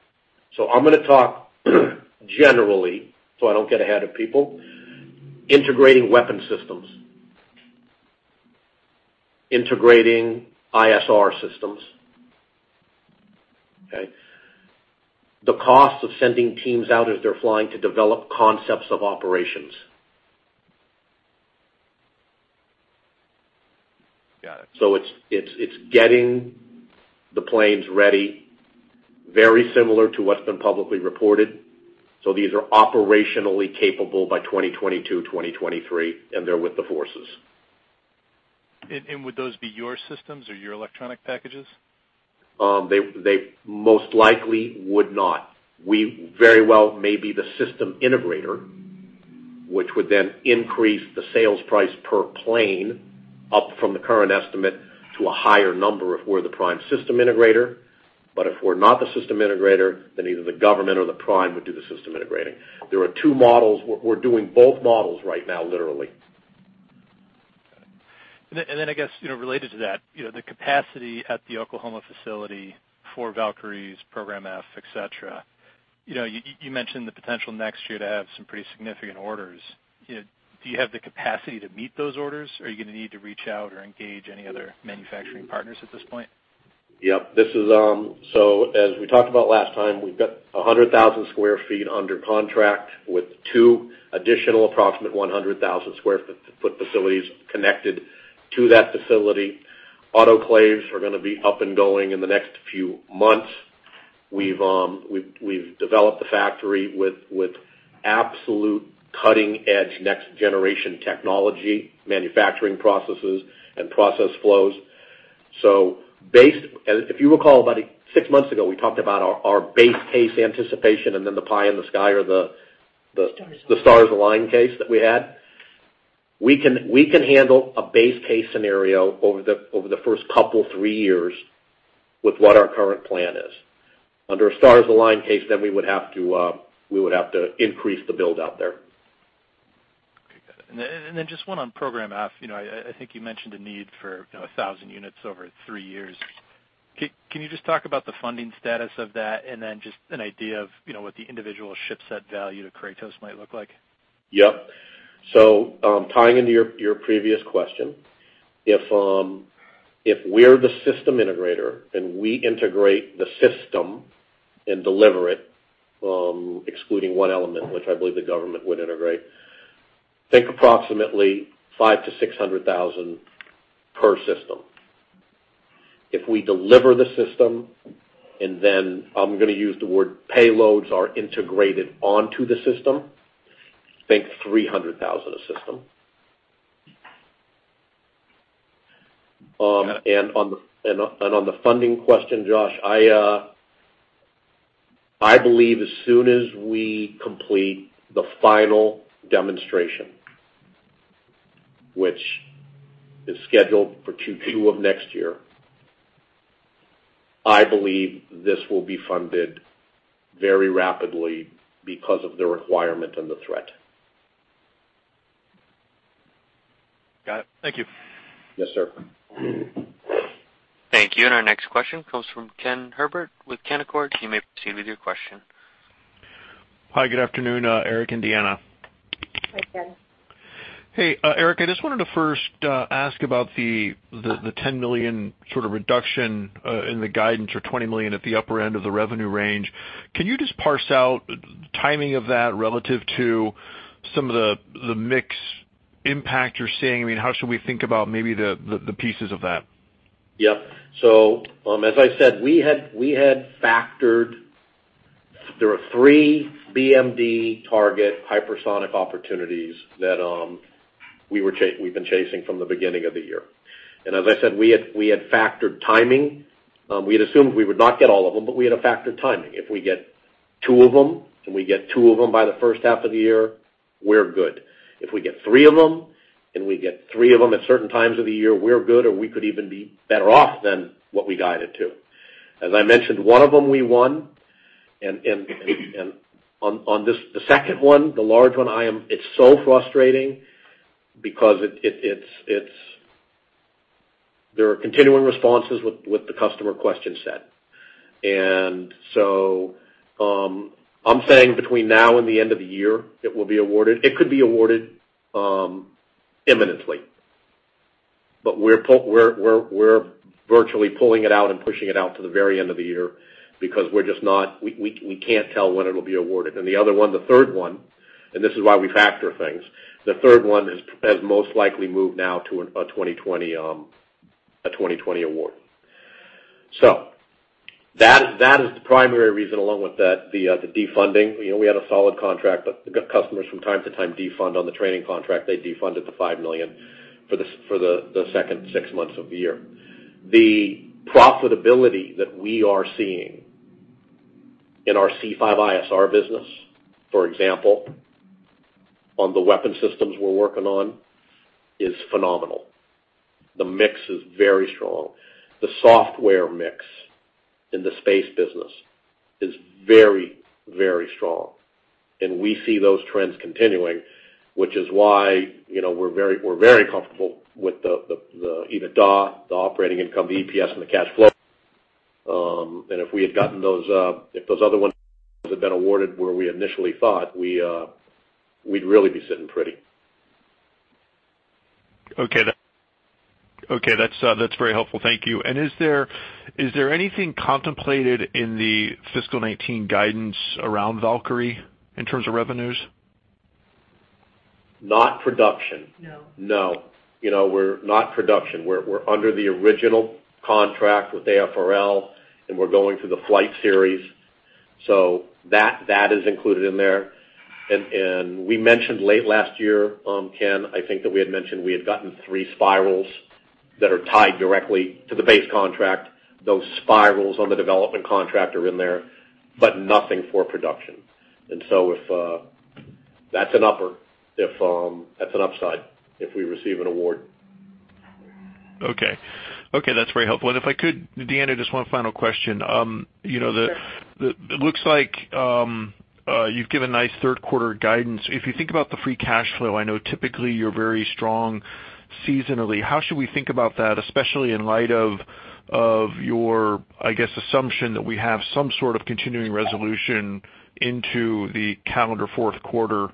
I'm going to talk generally so I don't get ahead of people. Integrating weapon systems, integrating ISR systems. Okay? The cost of sending teams out as they're flying to develop concepts of operations. Got it. It's getting the planes ready, very similar to what's been publicly reported. These are operationally capable by 2022, 2023, and they're with the forces. Would those be your systems or your electronic packages? They most likely would not. We very well may be the system integrator, which would then increase the sales price per plane up from the current estimate to a higher number if we're the prime system integrator. If we're not the system integrator, then either the government or the prime would do the system integrating. There are two models. We're doing both models right now, literally. Got it. I guess, related to that, the capacity at the Oklahoma facility for Valkyries, Program F, et cetera. You mentioned the potential next year to have some pretty significant orders. Do you have the capacity to meet those orders, or are you going to need to reach out or engage any other manufacturing partners at this point? Yep. As we talked about last time, we've got 100,000 sq ft under contract with two additional approximate 100,000 sq ft facilities connected to that facility. Autoclaves are going to be up and going in the next few months. We've developed the factory with absolute cutting edge, next generation technology, manufacturing processes, and process flows. Based, if you recall, about six months ago, we talked about our base case anticipation and then the pie in the sky. Stars align. The stars align case that we had. We can handle a base case scenario over the first couple, three years with what our current plan is. Under a stars align case, we would have to increase the build out there. Okay, got it. Just one on Program F. I think you mentioned a need for 1,000 units over three years. Can you just talk about the funding status of that and then just an idea of what the individual ship set value to Kratos might look like? Yep. Tying into your previous question, if we're the system integrator and we integrate the system and deliver it, excluding one element, which I believe the government would integrate, think approximately $500,000-$600,000 per system. If we deliver the system, then I'm going to use the word payloads are integrated onto the system, think $300,000 a system. On the funding question, Josh, I believe as soon as we complete the final demonstration, which is scheduled for Q2 of next year, I believe this will be funded very rapidly because of the requirement and the threat. Got it. Thank you. Yes, sir. Thank you. Our next question comes from Ken Herbert with Canaccord. You may proceed with your question. Hi. Good afternoon, Eric and Deanna. Hi, Ken. Hey, Eric. I just wanted to first ask about the $10 million sort of reduction in the guidance or $20 million at the upper end of the revenue range. Can you just parse out timing of that relative to some of the mix impact you're seeing? I mean, how should we think about maybe the pieces of that? Yep. As I said, we had factored, there are three BMD target hypersonic opportunities that we've been chasing from the beginning of the year. As I said, we had factored timing. We had assumed we would not get all of them, but we had a factored timing. If we get two of them, and we get two of them by the first half of the year, we're good. If we get three of them, and we get three of them at certain times of the year, we're good, or we could even be better off than what we guided to. As I mentioned, one of them we won. On the second one, the large one, it's so frustrating because there are continuing responses with the customer question set. I'm saying between now and the end of the year, it will be awarded. It could be awarded imminently, but we're virtually pulling it out and pushing it out to the very end of the year because we can't tell when it'll be awarded. The other one, the third one, and this is why we factor things, the third one has most likely moved now to a 2020 award. That is the primary reason along with the defunding. We had a solid contract, but customers from time to time defund on the training contract. They defunded the $5 million for the second six months of the year. The profitability that we are seeing in our C5ISR business, for example, on the weapon systems we're working on, is phenomenal. The mix is very strong. The software mix in the space business is very, very strong. We see those trends continuing, which is why we're very comfortable with the EBITDA, the operating income, the EPS, and the cash flow. If we had gotten those, if those other ones had been awarded where we initially thought, we'd really be sitting pretty. Okay. That's very helpful. Thank you. Is there anything contemplated in the fiscal 2019 guidance around Valkyrie in terms of revenues? Not production. No. No. Not production. We're under the original contract with AFRL, and we're going through the flight series. That is included in there. We mentioned late last year, Ken, I think that we had mentioned we had gotten three spirals that are tied directly to the base contract. Those spirals on the development contract are in there, but nothing for production. That's an upside if we receive an award. Okay. That's very helpful. If I could, Deanna, just one final question. Sure. It looks like you've given nice Q3 guidance. If you think about the free cash flow, I know typically you're very strong seasonally. How should we think about that, especially in light of your, I guess, assumption that we have some sort of continuing resolution into the calendar Q4?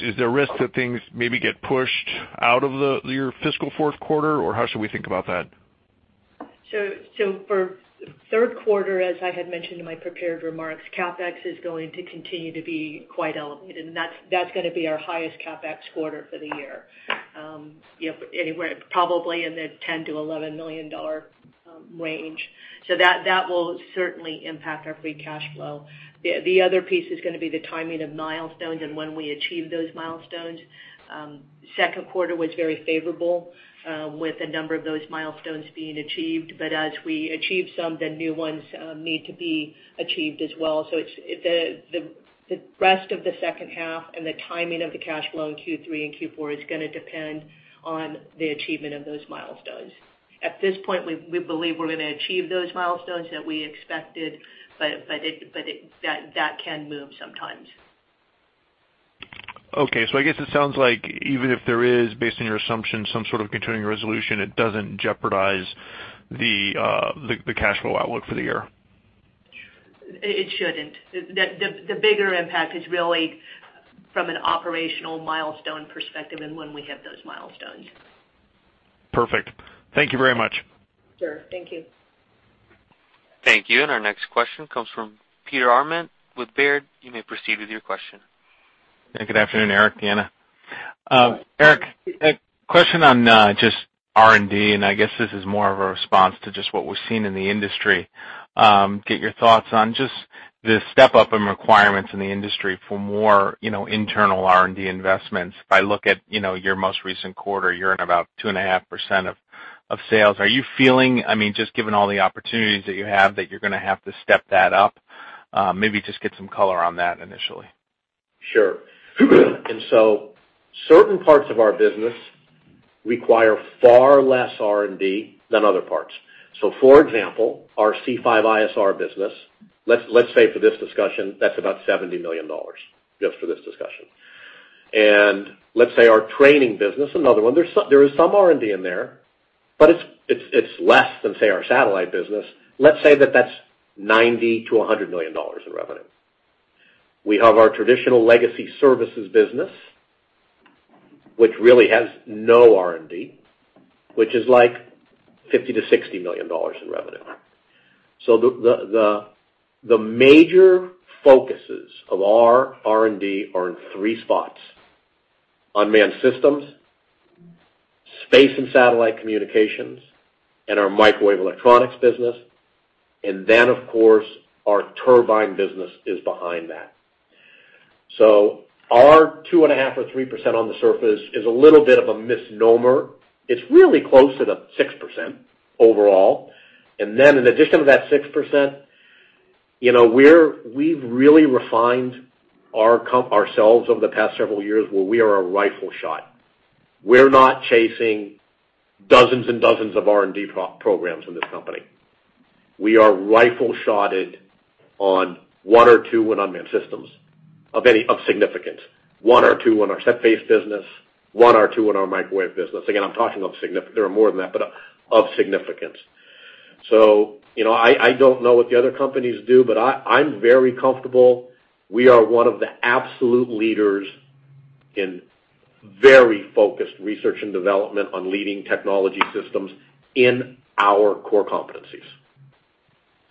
Is there a risk that things maybe get pushed out of your fiscal Q4, or how should we think about that? For Q3, as I had mentioned in my prepared remarks, CapEx is going to continue to be quite elevated, and that's going to be our highest CapEx quarter for the year, anywhere probably in the $10 million-$11 million range. That will certainly impact our free cash flow. The other piece is going to be the timing of milestones and when we achieve those milestones. Q2 was very favorable with a number of those milestones being achieved. As we achieve some, new ones need to be achieved as well. The rest of the second half and the timing of the cash flow in Q3 and Q4 is going to depend on the achievement of those milestones. At this point, we believe we're going to achieve those milestones that we expected, but that can move sometimes. I guess it sounds like even if there is, based on your assumption, some sort of continuing resolution, it doesn't jeopardize the cash flow outlook for the year. It shouldn't. The bigger impact is really from an operational milestone perspective and when we hit those milestones. Perfect. Thank you very much. Sure. Thank you. Thank you. Our next question comes from Peter Arment with Baird. You may proceed with your question. Good afternoon, Eric, Deanna. Eric, a question on just R&D. I guess this is more of a response to just what we're seeing in the industry. Get your thoughts on just the step-up in requirements in the industry for more internal R&D investments. If I look at your most recent quarter, you're in about 2.5% of sales. Are you feeling, just given all the opportunities that you have, that you're going to have to step that up? Maybe just get some color on that initially. Sure. Certain parts of our business require far less R&D than other parts. For example, our C5ISR business, let's say for this discussion, that's about $70 million, just for this discussion. Let's say our training business, another one, there is some R&D in there, but it's less than, say, our satellite business. Let's say that that's $90 million-$100 million in revenue. We have our traditional legacy services business, which really has no R&D, which is like $50 million-$60 million in revenue. The major focuses of our R&D are in three spots: unmanned systems, space and satellite communications, and our microwave electronics business. Of course, our turbine business is behind that. Our 2.5% or 3% on the surface is a little bit of a misnomer. It's really closer to 6% overall. Then in addition to that 6%, we've really refined ourselves over the past several years where we are a rifle shot. We're not chasing dozens and dozens of R&D programs in this company. We are rifle shotted on one or two in unmanned systems of significance, one or two in our set-based business, one or two in our microwave business. Again, I'm talking of significant. There are more than that, but of significance. I don't know what the other companies do, but I'm very comfortable. We are one of the absolute leaders in very focused research and development on leading technology systems in our core competencies.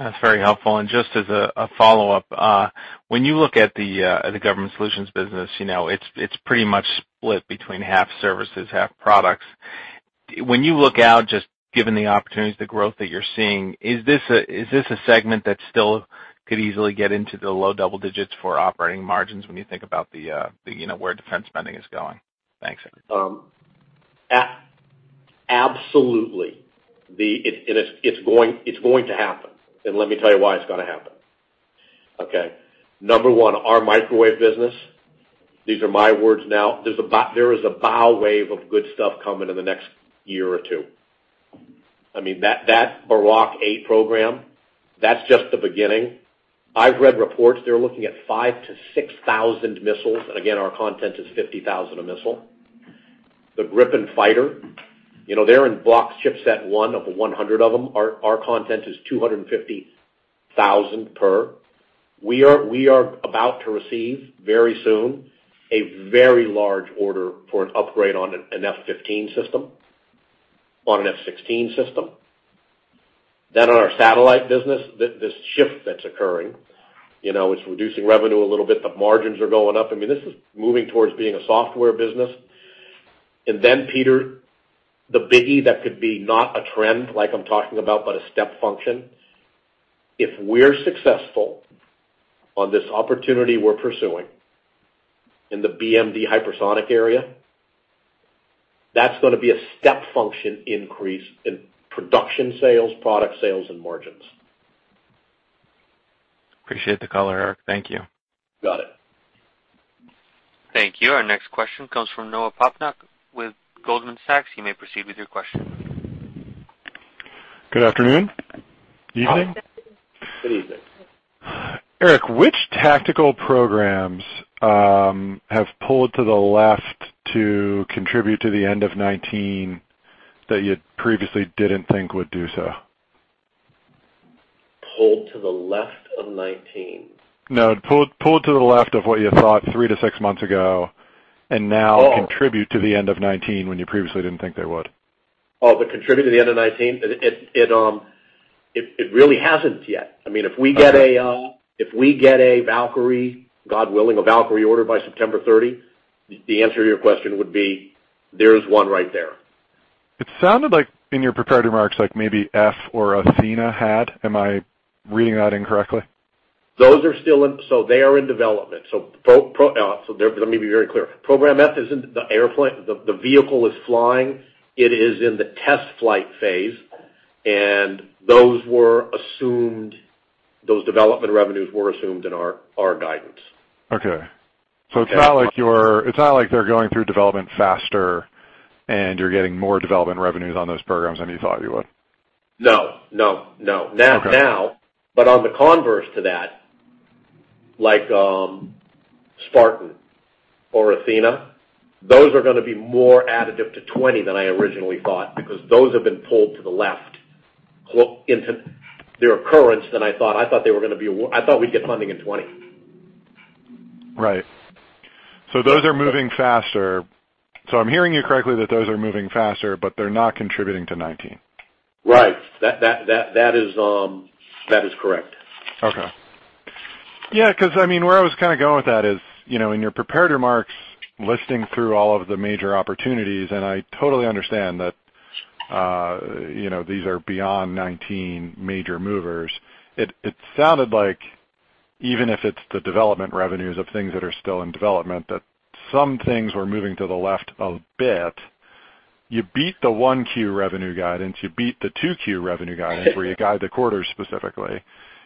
That's very helpful. Just as a follow-up, when you look at the Kratos Government Solutions business, it's pretty much split between half services, half products. When you look out, just given the opportunities, the growth that you're seeing, is this a segment that still could easily get into the low double digits for operating margins when you think about where defense spending is going? Thanks, Eric. Absolutely. It is going to happen. Let me tell you why it is going to happen. Okay. Number one, our microwave business, these are my words now. There is a bow wave of good stuff coming in the next year or two. That Block VIII program, that is just the beginning. I have read reports they are looking at 5,000-6,000 missiles. Again, our content is $50,000 a missile. The Gripen fighter, they are in block ship set 1 of 100 of them. Our content is $250,000 per. We are about to receive, very soon, a very large order for an upgrade on an F-15 system, on an F-16 system. On our satellite business, this shift that is occurring, it is reducing revenue a little bit. The margins are going up. This is moving towards being a software business. Peter, the biggie that could be not a trend, like I'm talking about, but a step function. If we're successful on this opportunity we're pursuing in the BMD hypersonic area, that's going to be a step function increase in production sales, product sales, and margins. Appreciate the color, Eric. Thank you. Got it. Thank you. Our next question comes from Noah Poponak with Goldman Sachs. You may proceed with your question. Good afternoon. Evening. Good evening. Eric, which tactical programs have pulled to the left to contribute to the end of 2019 that you previously didn't think would do so? Pulled to the left of 2019? No, pulled to the left of what you thought three to six months ago, and now contribute to the end of 2019 when you previously didn't think they would. Oh, to contribute to the end of 2019? It really hasn't yet. If we get a Valkyrie, God willing, a Valkyrie order by September 30, the answer to your question would be, there's one right there. It sounded like in your prepared remarks, like maybe F or Athena had. Am I reading that incorrectly? They are in development. Let me be very clear. Program F, the vehicle is flying. It is in the test flight phase. Those development revenues were assumed in our guidance. Okay. It's not like they're going through development faster and you're getting more development revenues on those programs than you thought you would. No. Okay. Now, on the converse to that, like Spartan or Athena, those are going to be more additive to 2020 than I originally thought, because those have been pulled to the left into their occurrence than I thought. I thought we'd get funding in 2020. Right. I'm hearing you correctly that those are moving faster, but they're not contributing to 2019. Right. That is correct. Okay. Yeah, because where I was kind of going with that is, in your prepared remarks, listing through all of the major opportunities, and I totally understand that these are beyond 2019 major movers. It sounded like even if it's the development revenues of things that are still in development, that some things were moving to the left a bit. You beat the Q1 revenue guidance. You beat the Q2 revenue guidance, where you guide the quarter specifically.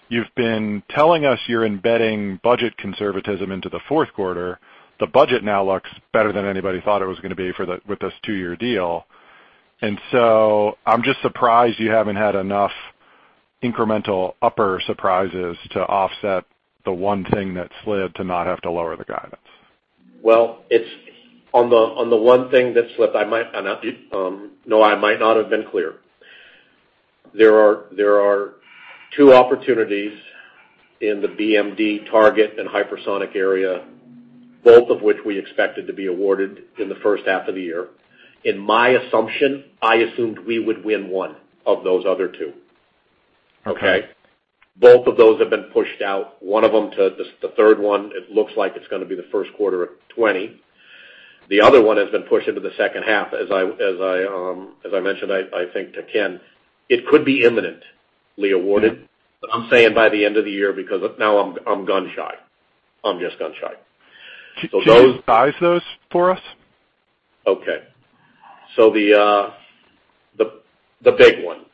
You've been telling us you're embedding budget conservatism into the fourth quarter. The budget now looks better than anybody thought it was going to be with this 2-year deal. I'm just surprised you haven't had enough incremental upper surprises to offset the one thing that slid to not have to lower the guidance. Well, on the one thing that slipped, I might not have been clear. There are two opportunities in the BMD target and hypersonic area, both of which we expected to be awarded in the first half of the year. In my assumption, I assumed we would win one of those other two. Okay. Both of those have been pushed out. One of them, the third one, it looks like it's going to be the first quarter of 2020. The other one has been pushed into the second half. As I mentioned, I think, to Ken, it could be imminently awarded. I'm saying by the end of the year, because now I'm gun-shy. I'm just gun-shy. Can you size those for us? Okay. The big one.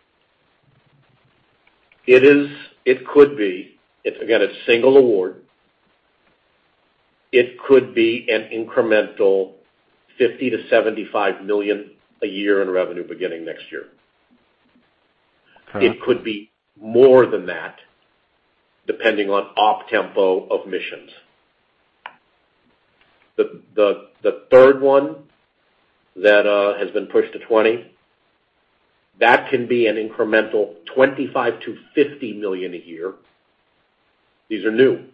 It's, again, a single award. It could be an incremental $50 million-$75 million a year in revenue beginning next year. Okay. It could be more than that, depending on op tempo of missions. The third one that has been pushed to 2020, that can be an incremental $25 million-$50 million a year. These are new,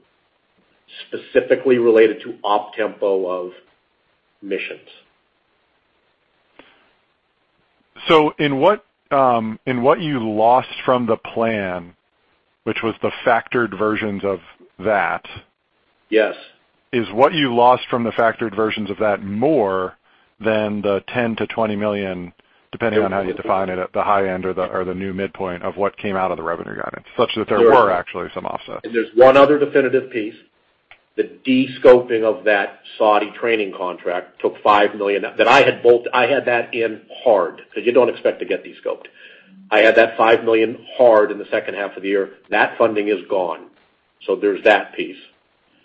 specifically related to op tempo of missions. In what you lost from the plan, which was the factored versions of that. Yes is what you lost from the factored versions of that more than the $10 million-$20 million, depending on how you define it at the high end or the new midpoint of what came out of the revenue guidance, such that there were actually some offsets. There's one other definitive piece. The de-scoping of that Saudi training contract took $5 million that I had that in hard, because you don't expect to get de-scoped. I had that $5 million hard in the H2 of the year. That funding is gone. There's that piece.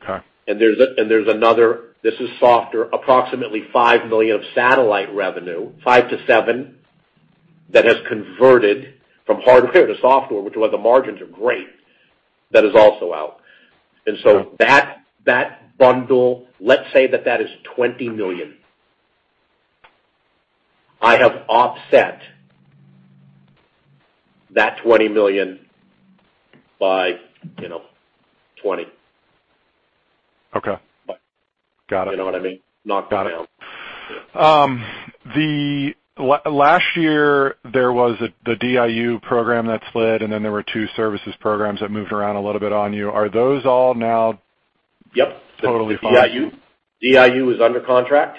Okay. There's another, this is softer, approximately $5 million of satellite revenue, $5 million-$7 million, that has converted from hardware to software, which the margins are great. That is also out. That bundle, let's say that that is $20 million. I have offset that $20 million by $20. Okay. Got it. You know what I mean? Knocked it down. Got it. Last year, there was the DIU program that slid, and then there were two services programs that moved around a little bit on you. Are those all now- Yep totally fine? DIU is under contract.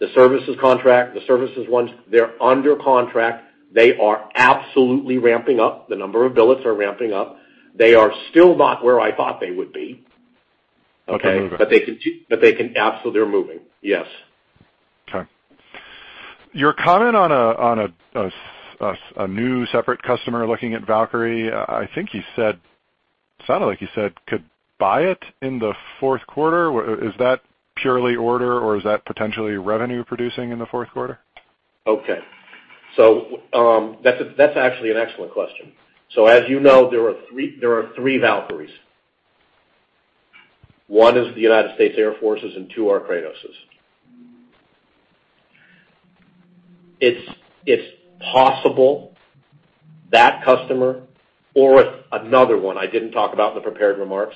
The services contract, the services ones, they're under contract. They are absolutely ramping up. The number of billets are ramping up. They are still not where I thought they would be. Okay. They can absolutely, they're moving. Yes. Okay. Your comment on a new separate customer looking at Valkyrie, it sounded like you said, could buy it in the fourth quarter. Is that purely order, or is that potentially revenue producing in the fourth quarter? Okay. That's actually an excellent question. As you know, there are three Valkyries. One is the United States Air Force's, and two are Kratos's. It's possible that customer or another one I didn't talk about in the prepared remarks,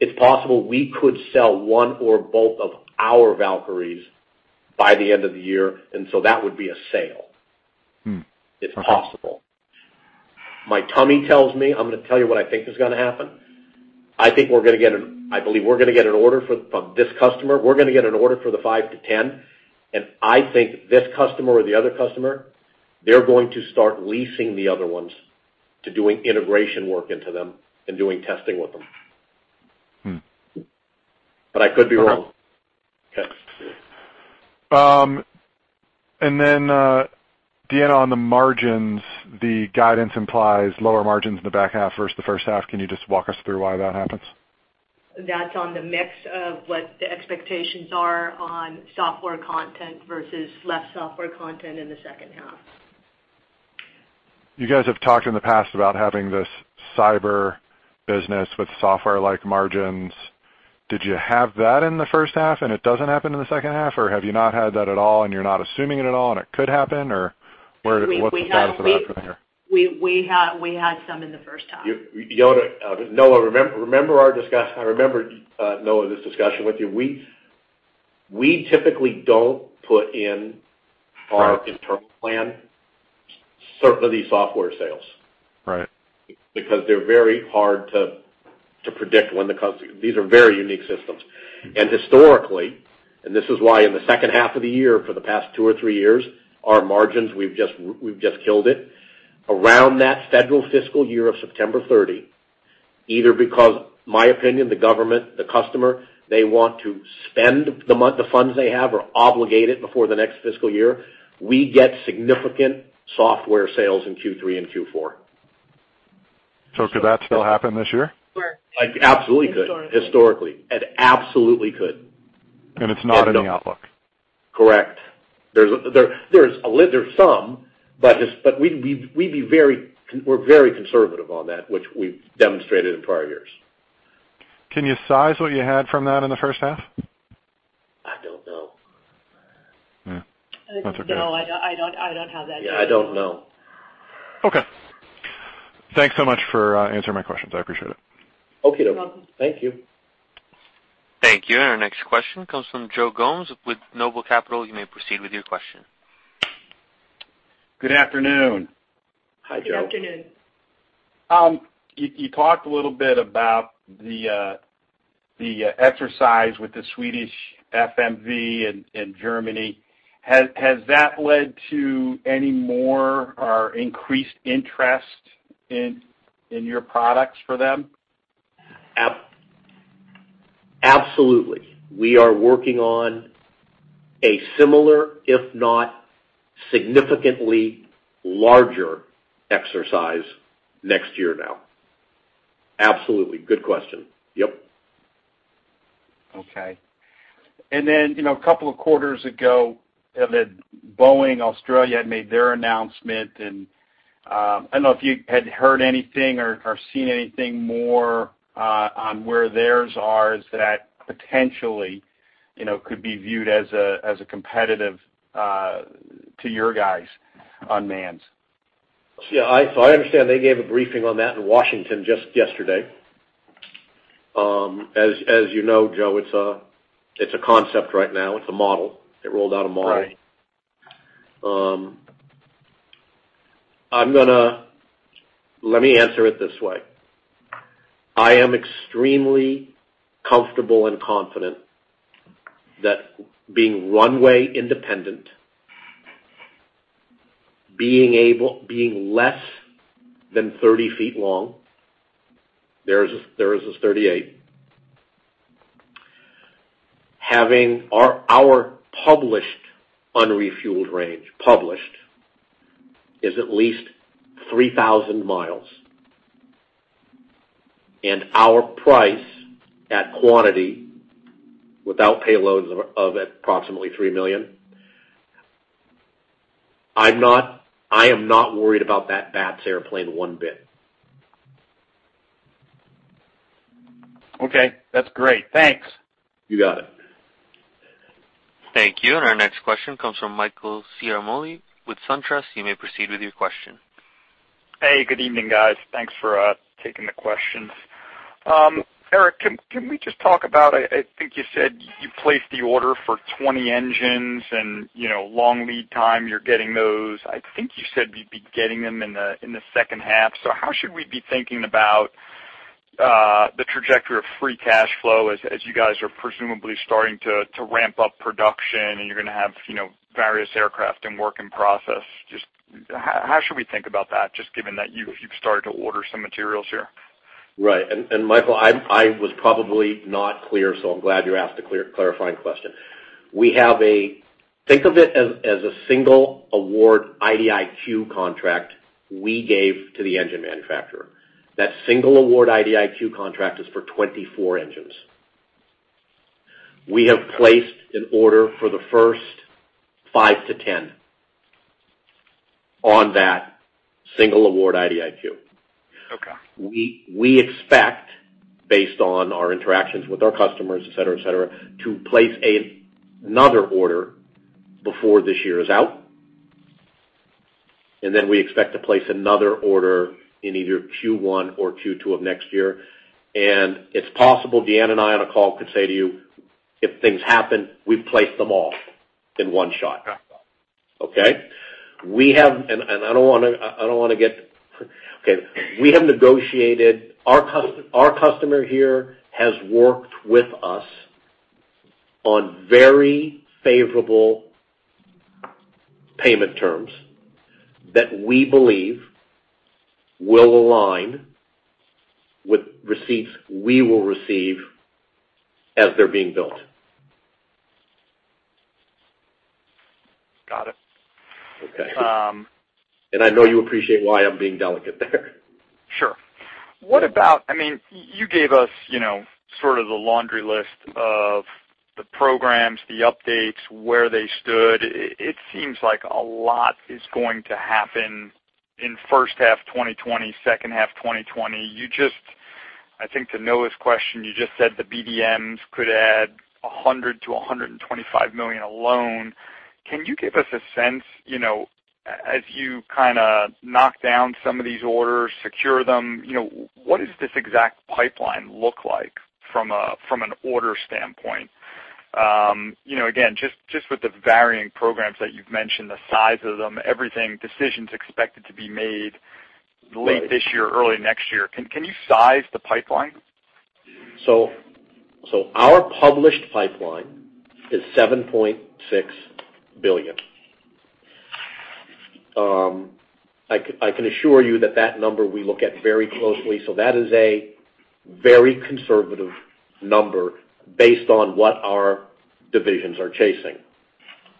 it's possible we could sell one or both of our Valkyries by the end of the year, that would be a sale. It's possible. My tummy tells me, I'm going to tell you what I think is going to happen. I believe we're going to get an order from this customer. We're going to get an order for the 5-10, I think this customer or the other customer, they're going to start leasing the other ones to doing integration work into them and doing testing with them. I could be wrong. Okay. Deanna, on the margins, the guidance implies lower margins in the back half versus the first half. Can you just walk us through why that happens? That's on the mix of what the expectations are on software content versus less software content in the second half. You guys have talked in the past about having this cyber business with software-like margins. Did you have that in the first half and it doesn't happen in the second half? Have you not had that at all and you're not assuming it at all and it could happen? What's the status of that for the year? We had some in the first half. Noah, I remember this discussion with you. We typically don't put in our internal plan, certainly software sales. Right. They're very hard to predict. These are very unique systems. Historically, and this is why in the second half of the year, for the past two or three years, our margins, we've just killed it. Around that federal fiscal year of September 30, either because, in my opinion, the government, the customer, they want to spend the funds they have or obligate it before the next fiscal year, we get significant software sales in Q3 and Q4. Could that still happen this year? Sure. It absolutely could. Historically. Historically. It absolutely could. It's not in the outlook? Correct. There's some, but we're very conservative on that, which we've demonstrated in prior years. Can you size what you had from that in the first half? I don't know. Yeah. That's okay. No, I don't have that. Yeah, I don't know. Okay. Thanks so much for answering my questions. I appreciate it. Okey-doke. You're welcome. Thank you. Thank you. Our next question comes from Joe Gomes with NOBLE Capital. You may proceed with your question. Good afternoon. Hi, Joe. Good afternoon. You talked a little bit about the exercise with the Swedish FMV in Germany. Has that led to any more or increased interest in your products for them? Absolutely. We are working on a similar, if not significantly larger exercise next year now. Absolutely. Good question. Yep. Okay. A couple of quarters ago, Boeing Australia had made their announcement, I don't know if you had heard anything or seen anything more on where theirs are that potentially could be viewed as competitive to your guys' unmanned. Yeah, I understand they gave a briefing on that in Washington just yesterday. As you know, Joe, it's a concept right now. It's a model. They rolled out a model. Right. Let me answer it this way. I am extremely comfortable and confident that being runway independent, being less than 30 feet long, theirs is 38. Having our published unrefueled range, published, is at least 3,000 miles. Our price at quantity without payloads of approximately $3 million. I am not worried about that BATS airplane one bit. Okay. That's great. Thanks. You got it. Thank you. Our next question comes from Michael Ciarmoli with SunTrust. You may proceed with your question. Hey, good evening, guys. Thanks for taking the questions. Eric, can we just talk about, I think you said you placed the order for 20 engines and long lead time, you're getting those. I think you said you'd be getting them in the second half. How should we be thinking about the trajectory of free cash flow as you guys are presumably starting to ramp up production and you're going to have various aircraft and work in process. Just how should we think about that, just given that you've started to order some materials here? Right. Michael, I was probably not clear, so I'm glad you asked a clarifying question. Think of it as a single award IDIQ contract we gave to the engine manufacturer. That single award IDIQ contract is for 24 engines. We have placed an order for the first 5-10 on that single award IDIQ. Okay. We expect, based on our interactions with our customers, et cetera, to place another order before this year is out, and then we expect to place another order in either Q1 or Q2 of next year. It's possible Deanna and I on a call could say to you. If things happen, we place them off in one shot. Got it. Okay. We have negotiated. Our customer here has worked with us on very favorable payment terms that we believe will align with receipts we will receive as they're being built. Got it. Okay. I know you appreciate why I'm being delicate there. Sure. You gave us sort of the laundry list of the programs, the updates, where they stood. It seems like a lot is going to happen in H1 2020, H2 2020. I think to Noah's question, you just said the BMDs could add 100 million-125 million alone. Can you give us a sense, as you kind of knock down some of these orders, secure them, what does this exact pipeline look like from an order standpoint? Again, just with the varying programs that you've mentioned, the size of them, everything, decisions expected to be made late this year, early next year. Can you size the pipeline? Our published pipeline is 7.6 billion. I can assure you that number, we look at very closely. That is a very conservative number based on what our divisions are chasing.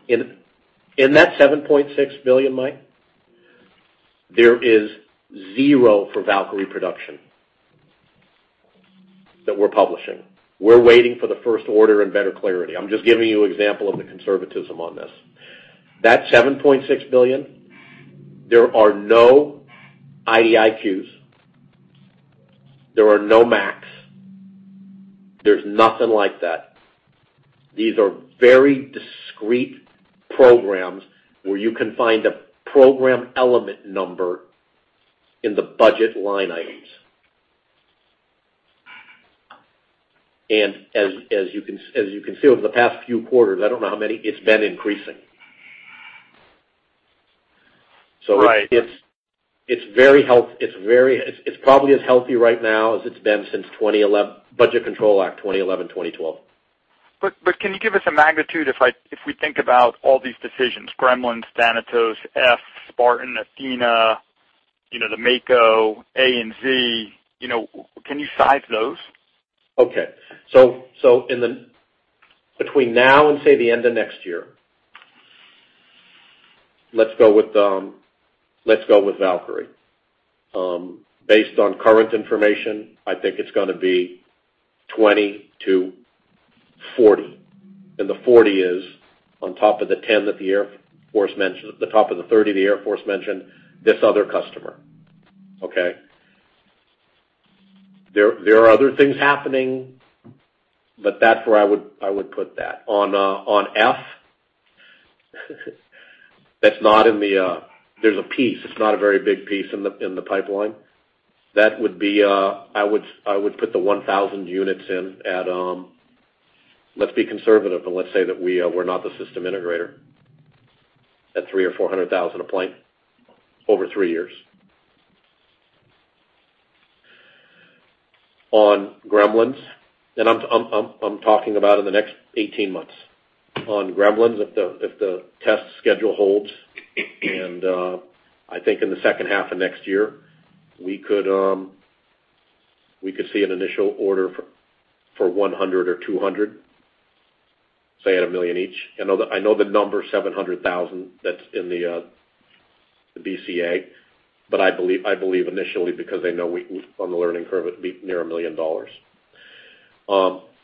In that 7.6 billion, Mike, there is zero for Valkyrie production that we're publishing. We're waiting for the first order and better clarity. I'm just giving you example of the conservatism on this. That 7.6 billion, there are no IDIQs, there are no MACs. There's nothing like that. These are very discrete programs where you can find a program element number in the budget line items. As you can see over the past few quarters, I don't know how many, it's been increasing. Right. It's probably as healthy right now as it's been since Budget Control Act 2011, 2012. Can you give us a magnitude if we think about all these decisions, Gremlins, Thanatos, F, Spartan, Athena, the Mako, A and Z, can you size those? Okay. Between now and, say, the end of next year, let's go with Valkyrie. Based on current information, I think it's going to be 20- 40. The 40 is on top of the 30 the Air Force mentioned, this other customer. Okay? There are other things happening, but that's where I would put that. On F, there's a piece, it's not a very big piece in the pipeline. I would put the 1,000 units in at, let's be conservative and let's say that we're not the system integrator, at 3 or 400,000 a plane over three years. I'm talking about in the next 18 months. On Gremlins, if the test schedule holds, and I think in the second half of next year, we could see an initial order for 100 or 200, say, at a million each. I know the number 700,000 that's in the BCA. I believe initially because they know we're on the learning curve, it'd be near $1 million.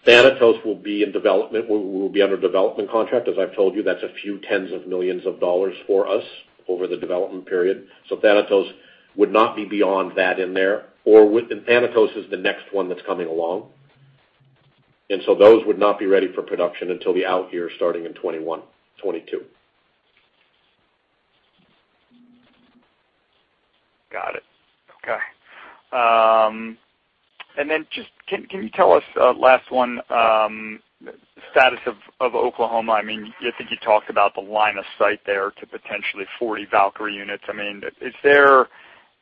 Thanatos will be under development contract. As I've told you, that's a few tens of millions of dollars for us over the development period. Thanatos would not be beyond that in there. Thanatos is the next one that's coming along. those would not be ready for production until the out year starting in 2021, 2022. Got it. Okay. just, can you tell us, last one, status of Oklahoma. I think you talked about the line of sight there to potentially 40 Valkyrie units. Is there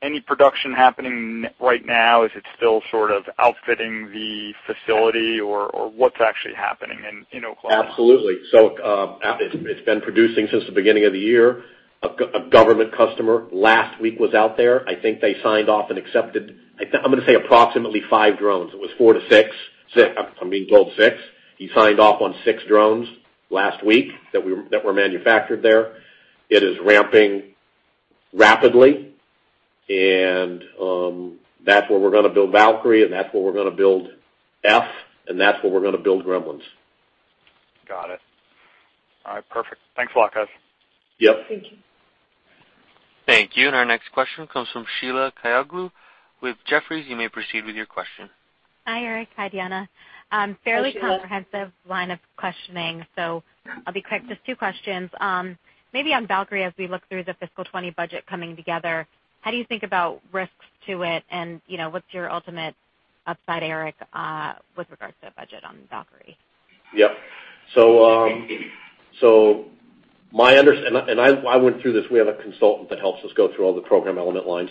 any production happening right now? Is it still sort of outfitting the facility, or what's actually happening in Oklahoma? Absolutely. It's been producing since the beginning of the year. A government customer last week was out there. I think they signed off and accepted, I'm going to say approximately five drones. It was four to six. Six. I'm being told six. He signed off on six drones last week that were manufactured there. It is ramping rapidly, and that's where we're going to build Valkyrie, and that's where we're going to build F, and that's where we're going to build Gremlins. Got it. All right, perfect. Thanks a lot, guys. Yep. Thank you. Thank you. Our next question comes from Sheila Kahyaoglu with Jefferies. You may proceed with your question. Hi, Eric. Hi, Deanna. Hi, Sheila. Fairly comprehensive line of questioning, so I'll be quick. Just two questions. Maybe on Valkyrie, as we look through the fiscal 2020 budget coming together, how do you think about risks to it, and what's your ultimate upside, Eric, with regards to the budget on Valkyrie? Yep. My understanding, and I went through this. We have a consultant that helps us go through all the program element lines.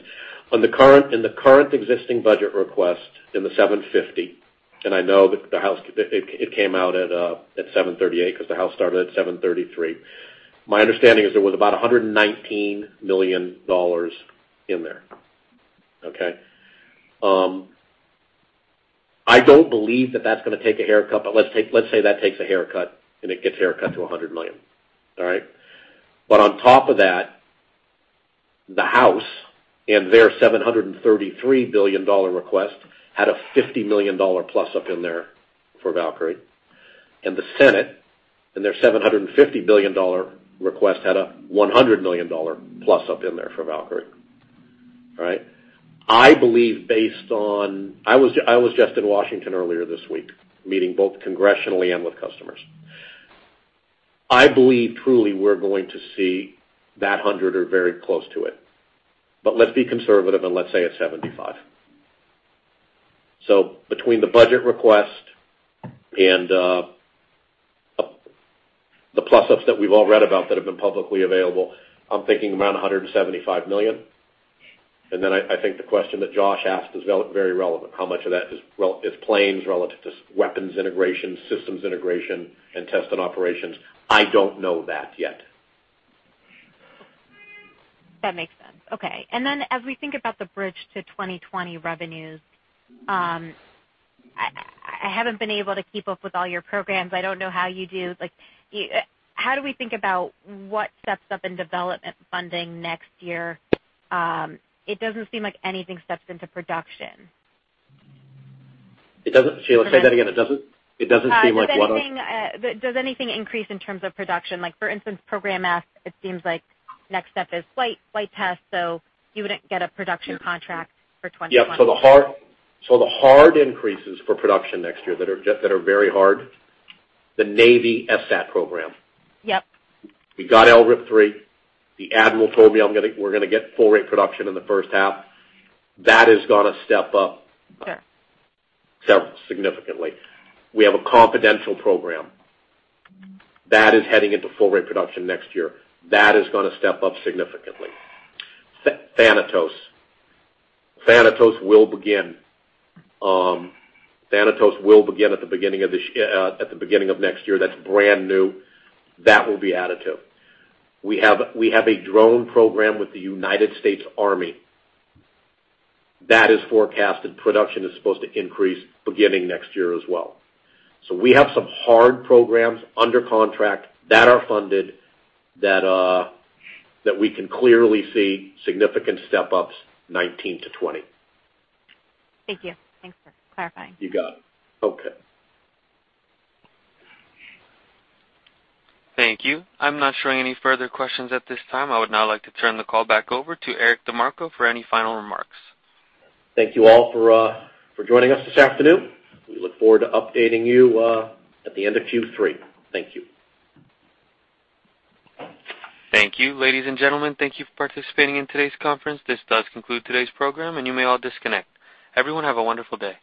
In the current existing budget request in the 750, and I know that it came out at 738 because the House started at 733. My understanding is there was about $119 million in there. Okay? I don't believe that that's going to take a haircut, but let's say that takes a haircut and it gets haircut to $100 million. All right? On top of that, the House, in their $733 billion request, had a $50 million-plus up in there for Valkyrie. The Senate, in their $750 billion request, had a $100 million-plus up in there for Valkyrie. All right? I was just in Washington earlier this week, meeting both congressionally and with customers. I believe truly we're going to see that 100 or very close to it. Let's be conservative and let's say it's 75. Between the budget request and the plus-ups that we've all read about that have been publicly available, I'm thinking around $175 million. I think the question that Josh asked is very relevant. How much of that is planes relative to weapons integration, systems integration, and test and operations? I don't know that yet. That makes sense. Okay. as we think about the bridge to 2020 revenues, I haven't been able to keep up with all your programs. I don't know how you do. How do we think about what steps up in development funding next year? It doesn't seem like anything steps into production. Sheila, say that again. It doesn't seem like what up? Does anything increase in terms of production? Like for instance, Program F, it seems like the next step is flight test, so you wouldn't get a production contract for 21. Yeah. the hard increases for production next year that are very hard, the Navy FSAT program. Yep. We got LRIP-3. The admiral told me we're going to get full rate production in the first half. That is going to step up- Sure significantly. We have a confidential program. That is heading into full rate production next year. That is going to step up significantly. Thanatos. Thanatos will begin at the beginning of next year. That's brand new. That will be additive. We have a drone program with the United States Army. That is forecasted. Production is supposed to increase beginning next year as well. We have some hard programs under contract that are funded, that we can clearly see significant step-ups '19 to '20. Thank you. Thanks for clarifying. You got it. Okay. Thank you. I'm not showing any further questions at this time. I would now like to turn the call back over to Eric DeMarco for any final remarks. Thank you all for joining us this afternoon. We look forward to updating you at the end of Q3. Thank you. Thank you. Ladies and gentlemen, thank you for participating in today's conference. This does conclude today's program, and you may all disconnect. Everyone, have a wonderful day.